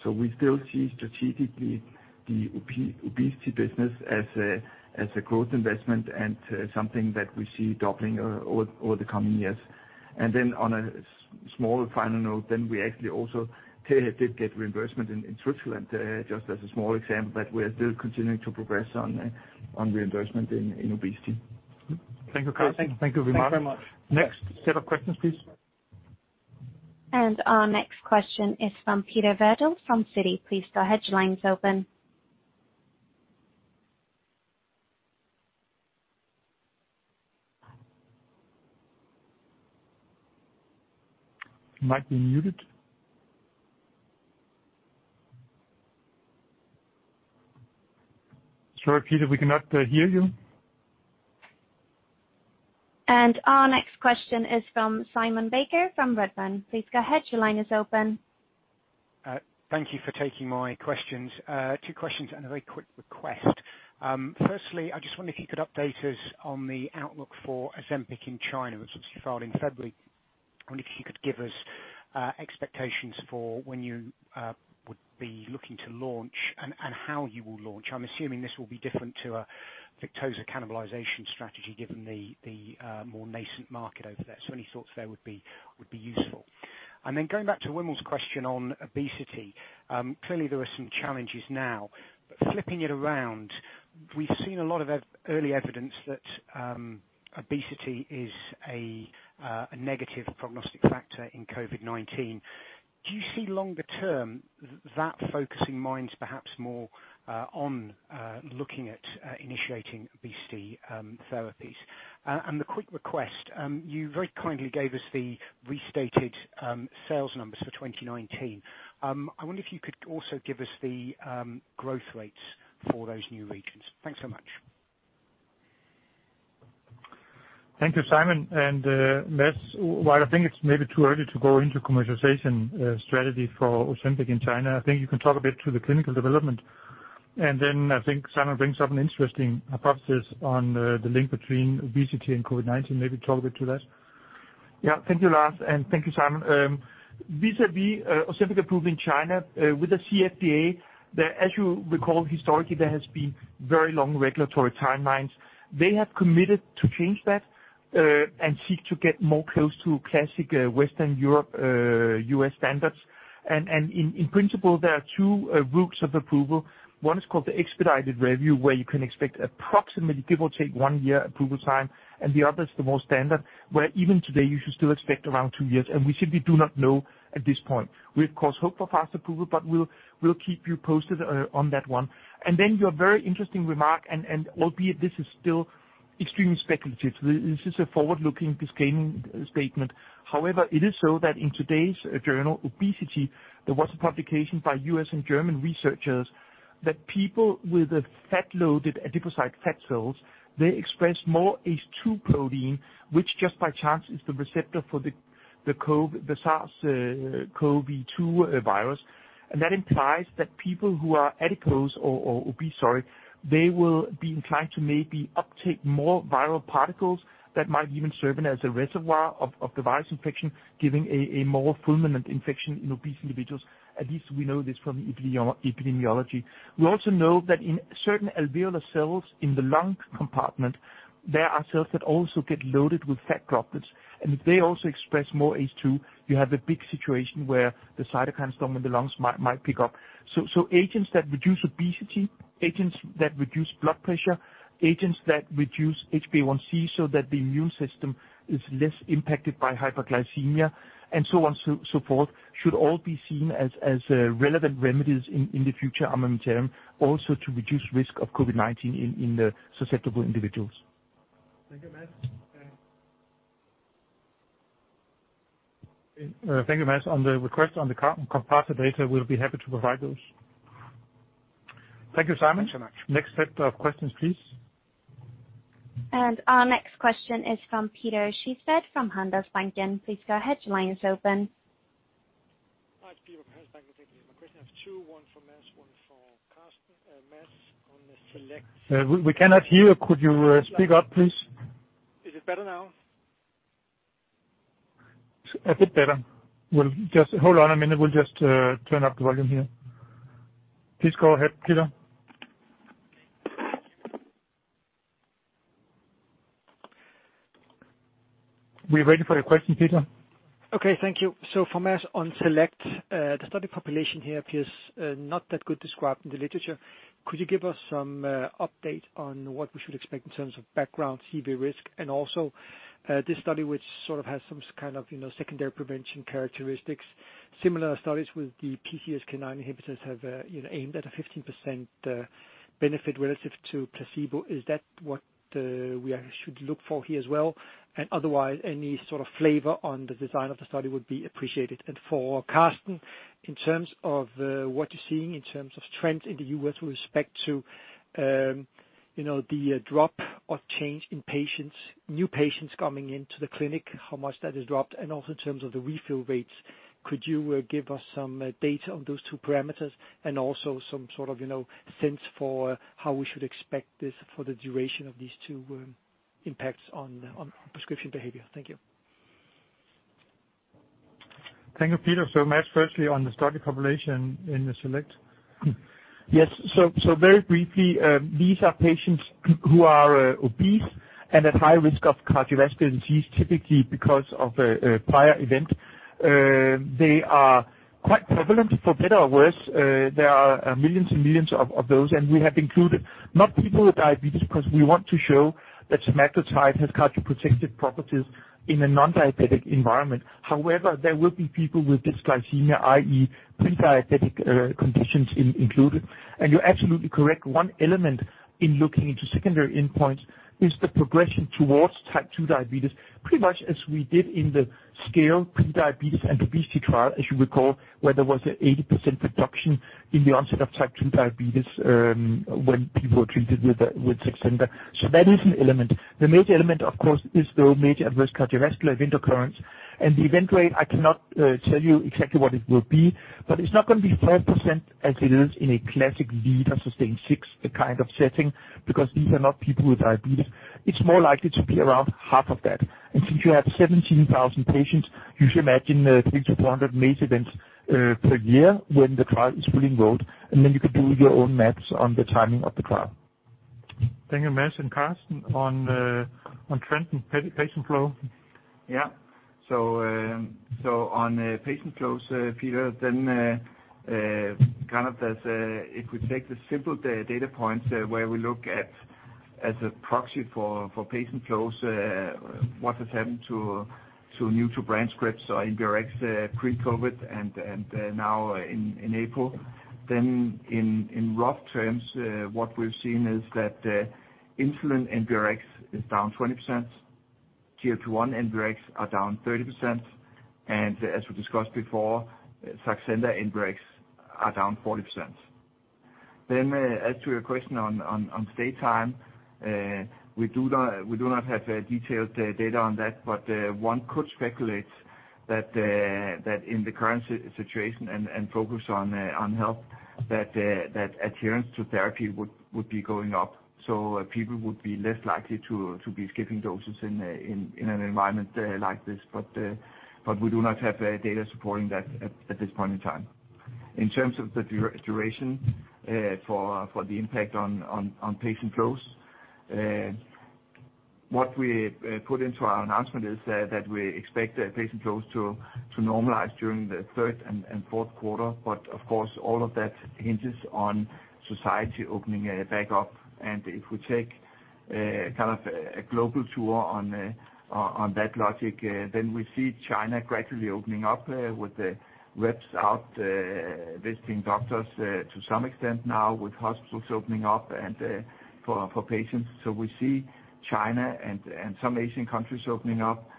We still see strategically the obesity business as a growth investment and something that we see doubling over the coming years. On a small final note, then we actually also did get reimbursement in Switzerland, just as a small example, but we're still continuing to progress on reimbursement in obesity. Thank you, Karsten. Thank you, Wimal. Thanks very much. Next set of questions, please. Our next question is from Peter Verdult from Citi. Please go ahead, your line is open. Might be muted. Sorry, Peter, we cannot hear you. Our next question is from Simon Baker from Redburn. Please go ahead, your line is open. Thank you for taking my questions. Two questions and a very quick request. Firstly, I just wonder if you could update us on the outlook for Ozempic in China that subsequently filed in February. I wonder if you could give us expectations for when you would be looking to launch and how you will launch. I'm assuming this will be different to a Victoza cannibalization strategy, given the more nascent market over there. Any thoughts there would be useful. Going back to Wimal's question on obesity, clearly there are some challenges now. Flipping it around, we've seen a lot of early evidence that obesity is a negative prognostic factor in COVID-19. Do you see longer term that focusing minds perhaps more on looking at initiating obesity therapies? The quick request, you very kindly gave us the restated sales numbers for 2019. I wonder if you could also give us the growth rates for those new regions. Thanks so much. Thank you, Simon. Mads, while I think it's maybe too early to go into commercialization strategy for Ozempic in China, I think you can talk a bit to the clinical development. I think Simon brings up an interesting hypothesis on the link between obesity and COVID-19. Maybe talk a bit to that. Yeah. Thank you, Lars, and thank you, Simon. Vis-a-vis Ozempic approved in China with the CFDA, as you recall, historically there has been very long regulatory timelines. They have committed to change that and seek to get more close to classic Western Europe, U.S. standards. In principle, there are two routes of approval. One is called the expedited review, where you can expect approximately give or take one year approval time, and the other is the more standard, where even today you should still expect around two years, and we simply do not know at this point. We of course hope for fast approval, but we'll keep you posted on that one. Your very interesting remark albeit this is still extremely speculative. This is a forward-looking statement. It is so that in today's journal obesity, there was a publication by U.S. and German researchers that people with a fat-loaded adipocyte fat cells, they express more ACE2 protein, which just by chance is the receptor for the SARS-CoV-2 virus. That implies that people who are adipose or obese, sorry, they will be inclined to maybe uptake more viral particles that might even serve in as a reservoir of the virus infection, giving a more fulminant infection in obese individuals. At least we know this from epidemiology. We also know that in certain alveolar cells in the lung compartment, there are cells that also get loaded with fat droplets, and they also express more ACE2. You have a big situation where the cytokine storm in the lungs might pick up. Agents that reduce obesity, agents that reduce blood pressure, agents that reduce HbA1c so that the immune system is less impacted by hyperglycemia, and so on, so forth, should all be seen as relevant remedies in the future, I mean, term, also to reduce risk of COVID-19 in the susceptible individuals. Thank you, Mads. Thank you, Mads. On the request on the composite data, we'll be happy to provide those. Thank you, Simon. Thanks so much. Next set of questions, please. Our next question is from Peter Sehested from Handelsbanken. Please go ahead. Your line is open. Hi, it's Peter from Handelsbanken. Thank you for my question. I have two, one for Mads, one for Karsten. Mads, We cannot hear. Could you speak up, please? Is it better now? A bit better. Well, just hold on a minute. We'll just turn up the volume here. Please go ahead, Peter. We're waiting for your question, Peter. Okay. Thank you. For Mads, on SELECT, the study population here appears not that good described in the literature. Could you give us some update on what we should expect in terms of background CV risk? Also, this study which sort of has some kind of, you know, secondary prevention characteristics, similar studies with the PCSK9 inhibitors have, you know, aimed at a 15% benefit relative to placebo. Is that what we should look for here as well? Otherwise, any sort of flavor on the design of the study would be appreciated. For Karsten, in terms of what you're seeing in terms of trends in the U.S. with respect to, you know, the drop or change in patients, new patients coming into the clinic, how much that has dropped, and also in terms of the refill rates, could you give us some data on those two parameters and also some sort of, you know, sense for how we should expect this for the duration of these two impacts on prescription behavior? Thank you. Thank you, Peter. Mads, firstly on the study population in the SELECT. Yes. Very briefly, these are patients who are obese and at high risk of cardiovascular disease, typically because of a prior event. They are quite prevalent for better or worse. There are millions and millions of those, and we have included not people with diabetes, because we want to show that semaglutide has cardioprotective properties in a non-diabetic environment. However, there will be people with dysglycemia, i.e., pre-diabetic conditions included. You're absolutely correct. One element in looking into secondary endpoints is the progression towards type 2 diabetes, pretty much as we did in the SCALE pre-diabetes and obesity trial, as you recall, where there was an 80% reduction in the onset of type 2 diabetes, when people were treated with Saxenda. That is an element. The major element, of course, is the major adverse cardiovascular event occurrence. The event rate, I cannot tell you exactly what it will be, but it's not gonna be 4% as it is in a classic LEADER, SUSTAIN 6 kind of setting, because these are not people with diabetes. It's more likely to be around half of that. Since you have 17,000 patients, you should imagine 300-400 major events per year when the trial is fully enrolled, and then you can do your own math on the timing of the trial. Thank you, Mads. Karsten, on trend and patient flow. Yeah. On patient flows, Peter, kind of as a If we take the simple data points, where we look at, as a proxy for patient flows, what has happened to new to brand scripts or NBRx pre-COVID and now in April, in rough terms, what we've seen is that insulin NBRx is down 20%, GLP-1 NBRx are down 30%, and as we discussed before, Saxenda NBRx are down 40%. As to your question on stay time, we do not have detailed data on that, but one could speculate that in the current situation and focus on health, that adherence to therapy would be going up. People would be less likely to be skipping doses in an environment like this. We do not have data supporting that at this point in time. In terms of the duration for the impact on patient flows, what we put into our announcement is that we expect patient flows to normalize during the third and fourth quarter. Of course, all of that hinges on society opening back up. If we take a kind of a global tour on that logic, then we see China gradually opening up with the reps out visiting doctors to some extent now, with hospitals opening up and for patients. We see China and some Asian countries opening up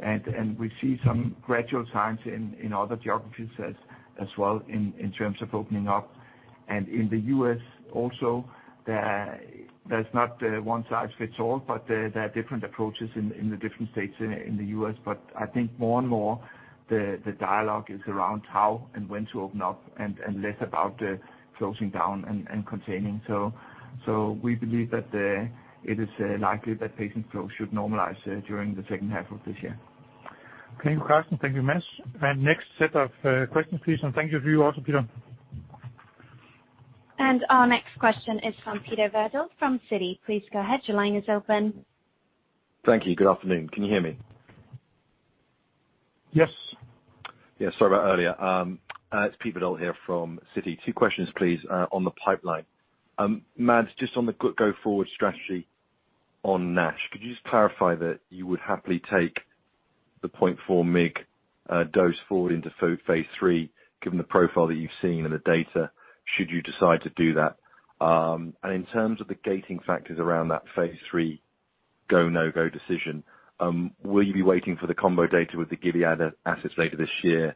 and we see some gradual signs in other geographies as well in terms of opening up. In the U.S. also, there's not one size fits all, but there are different approaches in the different states in the U.S. I think more and more the dialogue is around how and when to open up and less about closing down and containing. We believe that it is likely that patient flow should normalize during the second half of this year. Thank you, Karsten. Thank you, Mads. Next set of questions, please, and thank you for you also, Peter. Our next question is from Peter Verdult from Citi. Please go ahead. Your line is open. Thank you. Good afternoon. Can you hear me? Yes. Yeah. Sorry about earlier. It's Peter Verdult here from Citi. Two questions, please, on the pipeline. Mads, just on the go forward strategy on NASH. Could you just clarify that you would happily take the 0.4 mg dose forward into phase III, given the profile that you've seen and the data should you decide to do that? In terms of the gating factors around that phase III go/no-go decision, will you be waiting for the combo data with the Gilead assets later this year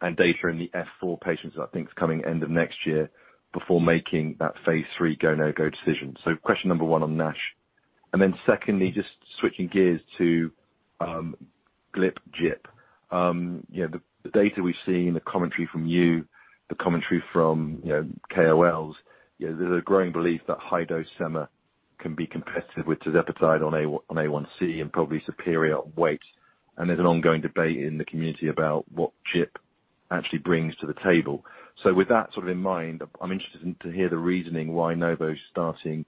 and data in the F4 patients that I think is coming end of next year before making that phase III go/no-go decision? Question number one on NASH. Secondly, just switching gears to GLP/GIP. You know, the data we've seen, the commentary from you, the commentary from, you know, KOLs, you know, there's a growing belief that high-dose sema can be competitive with tirzepatide on A1C and probably superior on weight. There's an ongoing debate in the community about what GIP actually brings to the table. With that sort of in mind, I'm interested to hear the reasoning why Novo's starting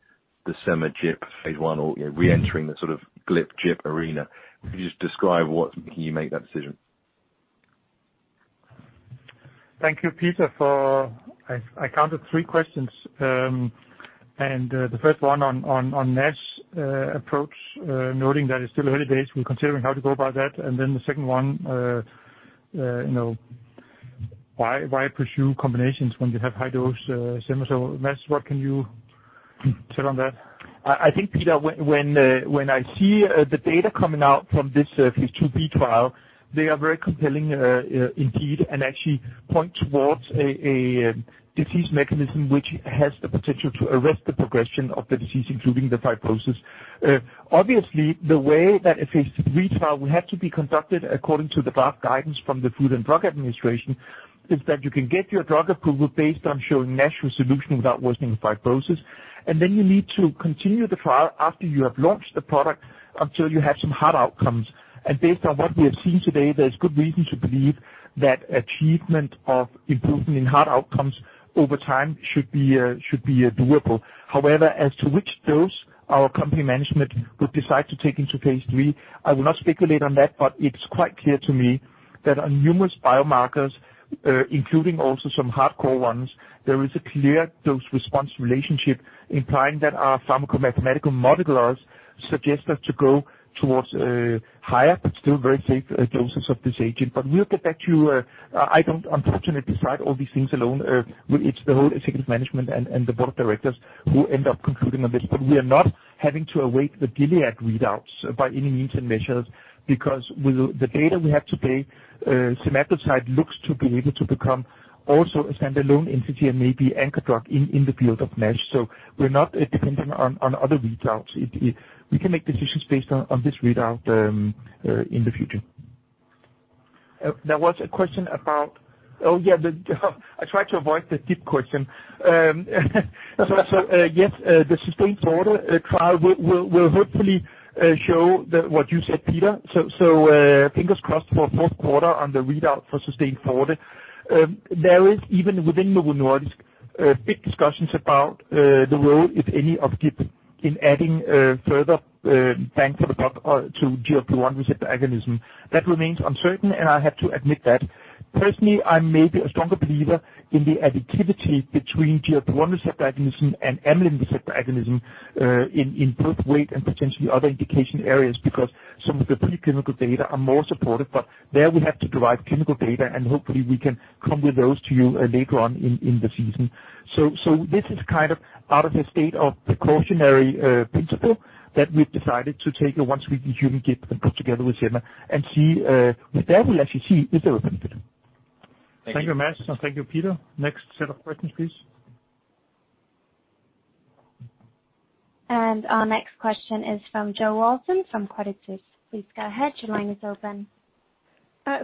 the sema GIP phase I or, you know, re-entering the sort of GLP/GIP arena. Can you just describe what made you make that decision? Thank you, Peter, for I counted three questions. The first one on NASH approach, noting that it's still early days, we're considering how to go about that. The second one, you know, why pursue combinations when you have high dose sema? Mads, what can you say on that? I think, Peter, when I see the data coming out from this phase II-B trial, they are very compelling indeed, and actually point towards a disease mechanism which has the potential to arrest the progression of the disease, including the fibrosis. Obviously, the way that a phase III trial will have to be conducted according to the draft guidance from the Food and Drug Administration is that you can get your drug approval based on showing NASH resolution without worsening fibrosis. Then you need to continue the trial after you have launched the product until you have some hard outcomes. Based on what we have seen today, there's good reason to believe that achievement of improvement in hard outcomes over time should be, should be doable. However, as to which dose our company management will decide to take into phase III, I will not speculate on that, but it's quite clear to me that on numerous biomarkers, including also some hardcore ones, there is a clear dose response relationship implying that our pharmacomathematical modelers suggest us to go towards a higher but still very safe doses of this agent. We'll get back to you. I don't unfortunately decide all these things alone. It's the whole executive management and the board of directors who end up concluding on this. We are not having to await the Gilead readouts by any means and measures because with the data we have today, semaglutide looks to be able to become also a standalone entity and maybe anchor drug in the field of NASH. We're not dependent on other readouts. We can make decisions based on this readout in the future. There was a question about Oh, yeah, the I try to avoid the GIP question. Yes, the SUSTAIN FORTE trial will hopefully show what you said, Peter. Fingers crossed for fourth quarter on the readout for SUSTAIN FORTE. There is even within Novo Nordisk big discussions about the role, if any, of GIP in adding further bang for the buck to GLP-1 receptor agonism. That remains uncertain. I have to admit that. Personally, I may be a stronger believer in the additivity between GLP-1 receptor agonism and Amylin receptor agonism in both weight and potentially other indication areas because some of the preclinical data are more supportive. There we have to derive clinical data, and hopefully we can come with those to you later on in the season. This is kind of out of a state of precautionary principle that we've decided to take a once-weekly human GIP and put together with sema and see, with that we'll actually see if there is benefit. Thank you. Thank you, Mads, and thank you, Peter. Next set of questions, please. Our next question is from Jo Walton from Credit Suisse. Please go ahead. Your line is open.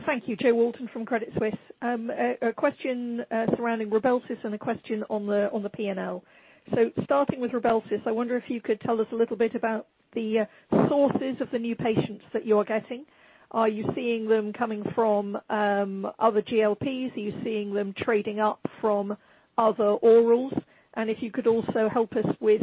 Thank you. Jo Walton from Credit Suisse. A question surrounding RYBELSUS and a question on the P&L. Starting with RYBELSUS, I wonder if you could tell us a little bit about the sources of the new patients that you're getting. Are you seeing them coming from other GLPs? Are you seeing them trading up from other orals? If you could also help us with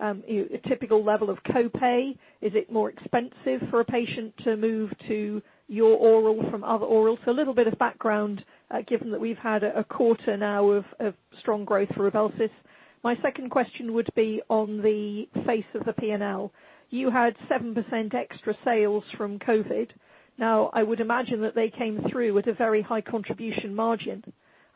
a typical level of co-pay, is it more expensive for a patient to move to your oral from other orals? A little bit of background, given that we've had a quarter now of strong growth for RYBELSUS. My second question would be on the face of the P&L. You had 7% extra sales from COVID. I would imagine that they came through with a very high contribution margin,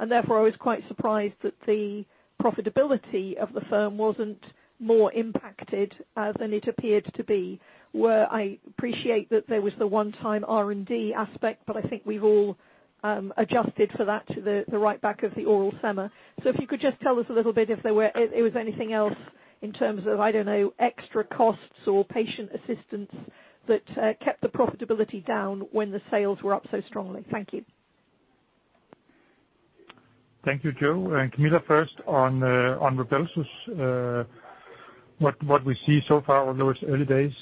and therefore I was quite surprised that the profitability of the firm wasn't more impacted than it appeared to be, where I appreciate that there was the one-time R&D aspect, but I think we've all adjusted for that to the right back of the oral sema. If you could just tell us a little bit if it was anything else in terms of, I don't know, extra costs or patient assistance that kept the profitability down when the sales were up so strongly. Thank you. Thank you, Jo. Camilla, first on RYBELSUS, what we see so far on those early days.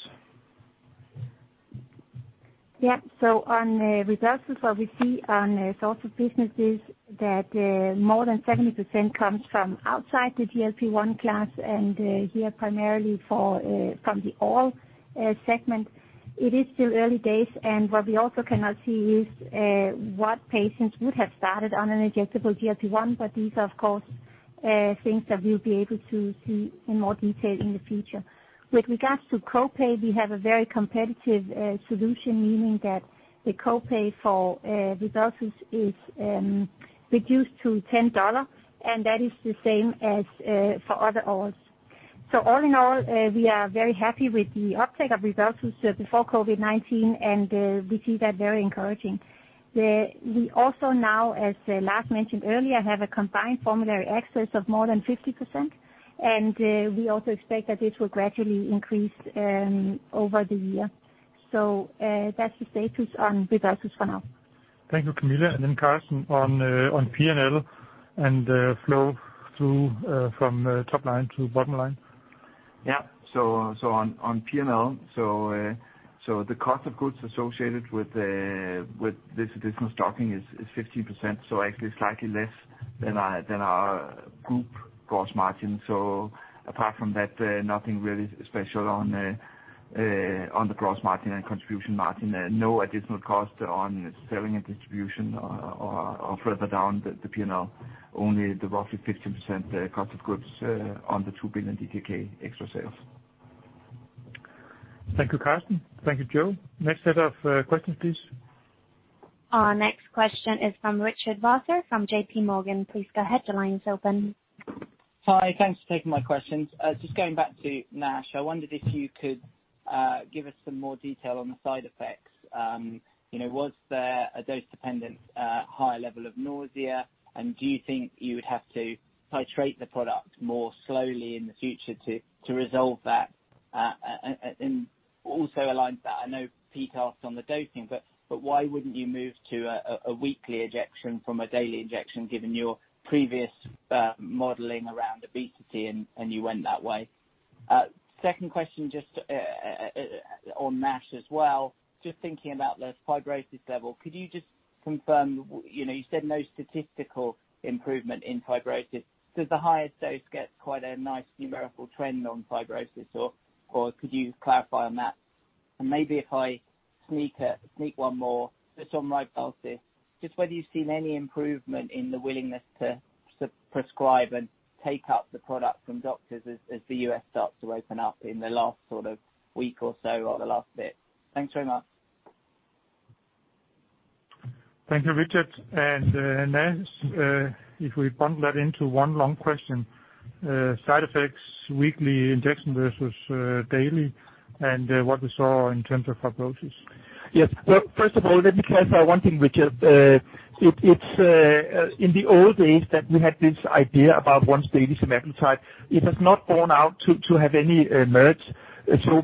On RYBELSUS, what we see on a source of business is that more than 70% comes from outside the GLP-1 class, and here primarily from the oral segment. It is still early days. What we also cannot see is what patients would have started on an injectable GLP-1, but these are of course things that we'll be able to see in more detail in the future. With regards to co-pay, we have a very competitive solution, meaning that the co-pay for RYBELSUS is reduced to DKK 10, and that is the same as for other orals. All in all, we are very happy with the uptake of RYBELSUS before COVID-19, and we see that very encouraging. We also now, as Lars mentioned earlier, have a combined formulary access of more than 50%, and we also expect that this will gradually increase over the year. That's the status on RYBELSUS for now. Thank you, Camilla. Karsten on P&L and, flow through, from top line to bottom line. On P&L, so the cost of goods associated with this additional stocking is 15%, so actually slightly less than our group gross margin. Apart from that, nothing really special on the gross margin and contribution margin. No additional cost on selling and distribution or further down the P&L, only the roughly 15% cost of goods on the 2 billion extra sales. Thank you, Karsten. Thank you, Jo. Next set of questions, please. Our next question is from Richard Vosser from JPMorgan. Please go ahead. Your line is open. Hi. Thanks for taking my questions. Just going back to NASH, I wondered if you could give us some more detail on the side effects. You know, was there a dose-dependent high level of nausea? Do you think you would have to titrate the product more slowly in the future to resolve that? Also aligned to that, I know Pete asked on the dosing, why wouldn't you move to a weekly injection from a daily injection, given your previous modeling around obesity and you went that way? Second question, just on NASH as well, just thinking about the fibrosis level, could you just confirm, you know, you said no statistical improvement in fibrosis? Does the highest dose get quite a nice numerical trend on fibrosis or could you clarify on that? Maybe if I sneak one more just on RYBELSUS, just whether you've seen any improvement in the willingness to prescribe and take up the product from doctors as the U.S. starts to open up in the last sort of week or so or the last bit. Thanks very much. Thank you, Richard. If we bundle that into one long question, side effects, weekly injection versus daily, and what we saw in terms of fibrosis. Yes. Well, first of all, let me clarify one thing, Richard. It's in the old days that we had this idea about once daily semaglutide, it has not borne out to have any merit.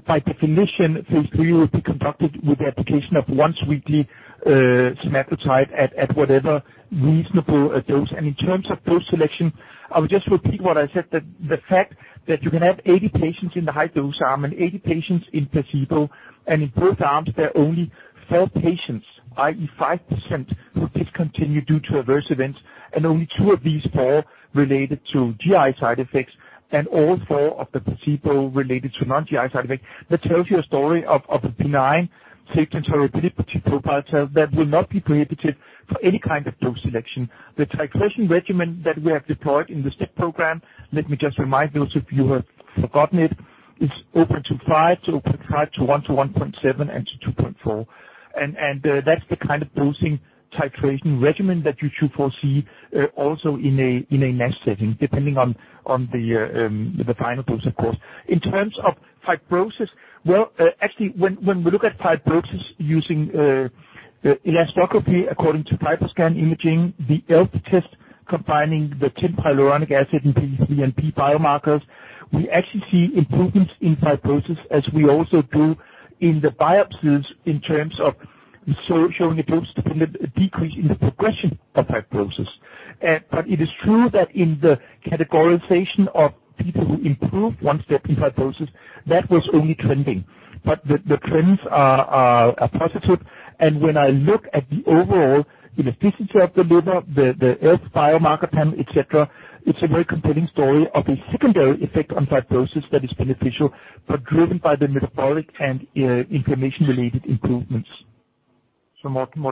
By definition, phase III will be conducted with the application of once weekly semaglutide at whatever reasonable dose. In terms of dose selection, I would just repeat what I said, that the fact that you can have 80 patients in the high-dose arm and 80 patients in placebo, and in both arms, there are only four patients, i.e., 5% who discontinue due to adverse events, and only two of these four related to GI side effects, and all four of the placebo related to non-GI side effects. That tells you a story of a benign safety and tolerability profile that will not be prohibited for any kind of dose selection. The titration regimen that we have deployed in the STEP program, let me just remind those of you who have forgotten it, is 0.25 mg, to 0.5 mg, to 1 mg, to 1.7 mg and to 2.4 mg. That's the kind of dosing titration regimen that you should foresee also in a NASH setting, depending on the final dose, of course. In terms of fibrosis, well, actually, when we look at fibrosis using elastography according to FibroScan imaging, the ELF test combining the TIMP hyaluronic acid and PIIINP biomarkers, we actually see improvements in fibrosis as we also do in the biopsies in terms of showing a dose-dependent decrease in the progression of fibrosis. It is true that in the categorization of people who improve once they have fibrosis, that was only trending. The trends are positive. When I look at the overall elasticity of the liver, the ELF biomarker panel, et cetera, it's a very compelling story of a secondary effect on fibrosis that is beneficial, but driven by the metabolic and inflammation-related improvements. More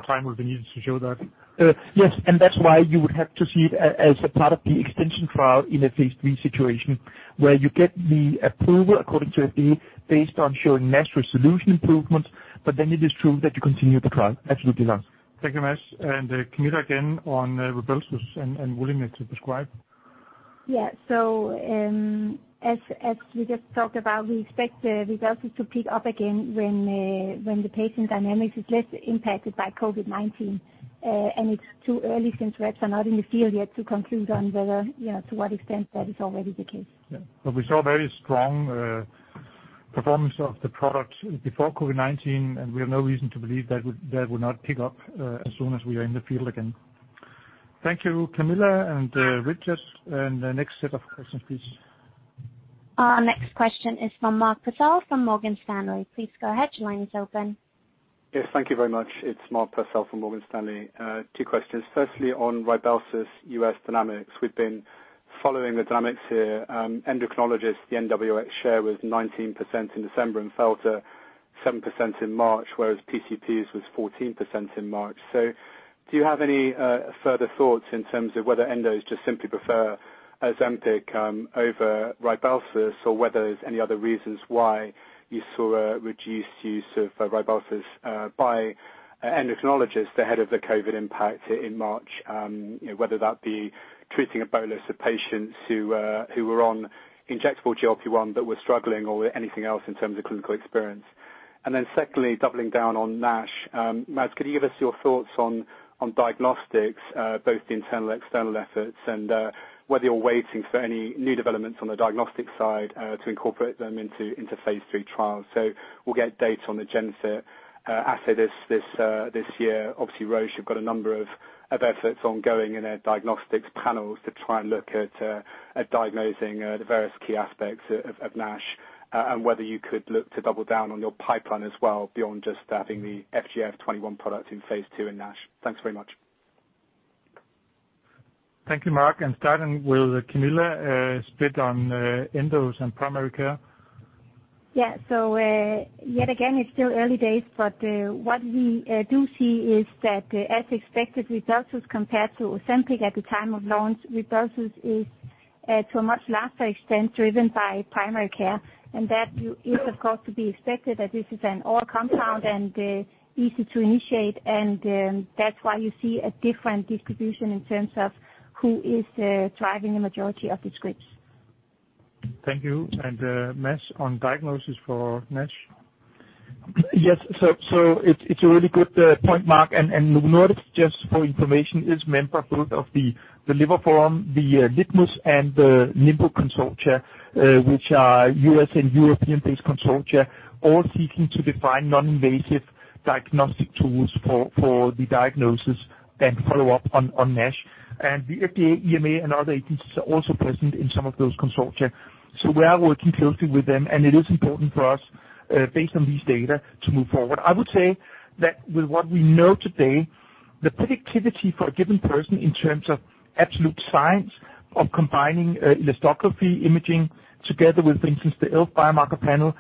time will be needed to show that? Yes, that's why you would have to see it as a part of the extension trial in a phase III situation where you get the approval according to FDA based on showing NASH resolution improvements, but then it is true that you continue the trial. Absolutely, Lars. Thank you, Mads. Camilla again on RYBELSUS and willingness to prescribe. Yeah. As we just talked about, we expect the results to peak up again when the patient dynamics is less impacted by COVID-19. It's too early since reps are not in the field yet to conclude on whether, you know, to what extent that is already the case. Yeah. We saw very strong performance of the product before COVID-19, and we have no reason to believe that would not pick up as soon as we are in the field again. Thank you, Camilla and Richard. The next set of questions, please. Our next question is from Mark Purcell from Morgan Stanley. Please go ahead. Your line is open. Yes, thank you very much. It's Mark Purcell from Morgan Stanley. Two questions. Firstly, on RYBELSUS U.S. dynamics. We've been following the dynamics here. Endocrinologists, the NBRx share was 19% in December and fell to 7% in March, whereas PCPs was 14% in March. Do you have any further thoughts in terms of whether endos just simply prefer Ozempic over RYBELSUS or whether there's any other reasons why you saw a reduced use of RYBELSUS by endocrinologists ahead of the COVID-19 impact in March? You know, whether that be treating a bolus of patients who were on injectable GLP-1 that were struggling or anything else in terms of clinical experience. Secondly, doubling down on NASH. Mads, could you give us your thoughts on diagnostics, both the internal, external efforts and whether you're waiting for any new developments on the diagnostic side to incorporate them into phase III trials. We'll get data on the GenFit assay this year. Obviously, Roche have got a number of efforts ongoing in their diagnostics panels to try and look at diagnosing the various key aspects of NASH, and whether you could look to double down on your pipeline as well beyond just having the FGF21 product in phase II in NASH. Thanks very much. Thank you, Mark. Starting with Camilla speak on endos and primary care. Yeah. Yet again, it's still early days, but what we do see is that as expected RYBELSUS compared to Ozempic at the time of launch, RYBELSUS is to a much lesser extent driven by primary care. That you is of course to be expected that this is an old compound and easy to initiate. That's why you see a different distribution in terms of who is driving the majority of the scripts. Thank you. Mads on diagnosis for NASH. Yes. It's a really good point, Mark, Novo Nordisk just for information is member both of the Liver Forum, the LITMUS and the NIMBLE consortia, which are U.S. and European-based consortia, all seeking to define non-invasive diagnostic tools for the diagnosis and follow-up on NASH. The FDA, EMA, and other agencies are also present in some of those consortia. We are working closely with them, and it is important for us, based on these data, to move forward. I would say that with what we know today, the predictivity for a given person in terms of absolute science of combining elastography imaging together with, for instance, the ELF biomarker panel,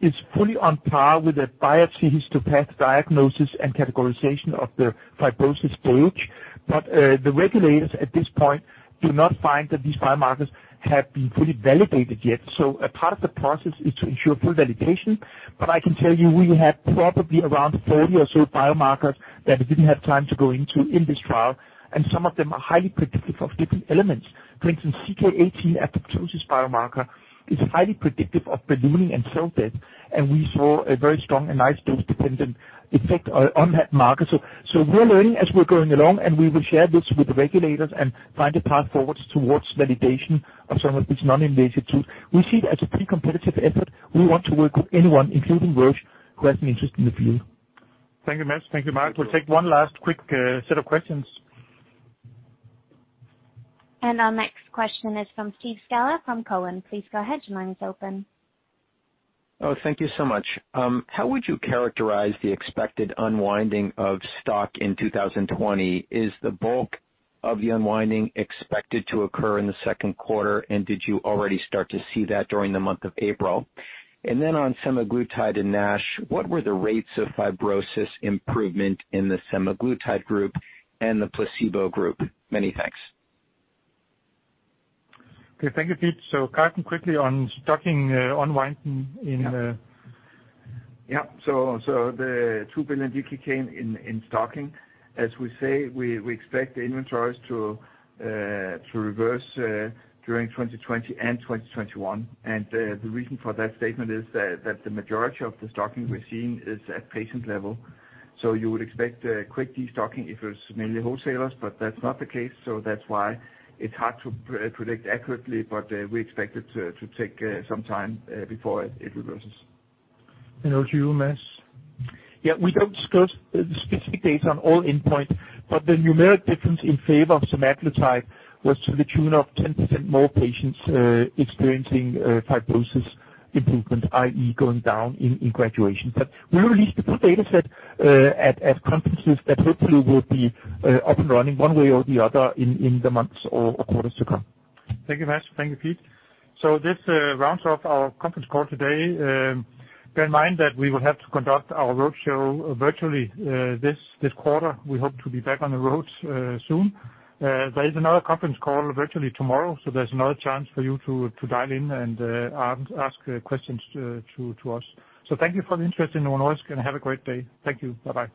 is fully on par with a biopsy histologic diagnosis and categorization of the fibrosis stage. The regulators at this point do not find that these biomarkers have been fully validated yet. A part of the process is to ensure full validation. I can tell you, we have probably around 40 or so biomarkers that we didn't have time to go into in this trial, and some of them are highly predictive of different elements. For instance, CK-18 apoptosis biomarker is highly predictive of ballooning and cell death, and we saw a very strong and nice dose-dependent effect on that marker. We're learning as we're going along, and we will share this with the regulators and find a path forward towards validation of some of these non-invasive tools. We see it as a pretty competitive effort. We want to work with anyone, including Roche, who has an interest in the field. Thank you, Mads. Thank you, Mark. We'll take one last quick set of questions. Our next question is from Steve Scala from Cowen. Please go ahead, your line is open. Thank you so much. How would you characterize the expected unwinding of stock in 2020? Is the bulk of the unwinding expected to occur in the second quarter, and did you already start to see that during the month of April? On semaglutide and NASH, what were the rates of fibrosis improvement in the semaglutide group and the placebo group? Many thanks. Okay. Thank you, Steve. Karsten, quickly on stocking, unwinding in. The 2 billion in stocking, as we say, we expect the inventories to reverse during 2020 and 2021. The reason for that statement is that the majority of the stocking we're seeing is at patient level. You would expect a quick destocking if it was mainly wholesalers, but that's not the case, that's why it's hard to predict accurately. We expect it to take some time before it reverses. Over to you, Mads. Yeah. We don't discuss the specific data on all endpoint, but the numeric difference in favor of semaglutide was to the tune of 10% more patients experiencing fibrosis improvement, i.e. going down in graduation. We'll release the full data set at conferences that hopefully will be up and running one way or the other in the months or quarters to come. Thank you, Mads. Thank you, Pete. This rounds off our conference call today. Bear in mind that we will have to conduct our roadshow virtually this quarter. We hope to be back on the road soon. There is another conference call virtually tomorrow, there's another chance for you to dial in and ask questions to us. Thank you for the interest in Novo Nordisk, have a great day. Thank you. Bye-bye.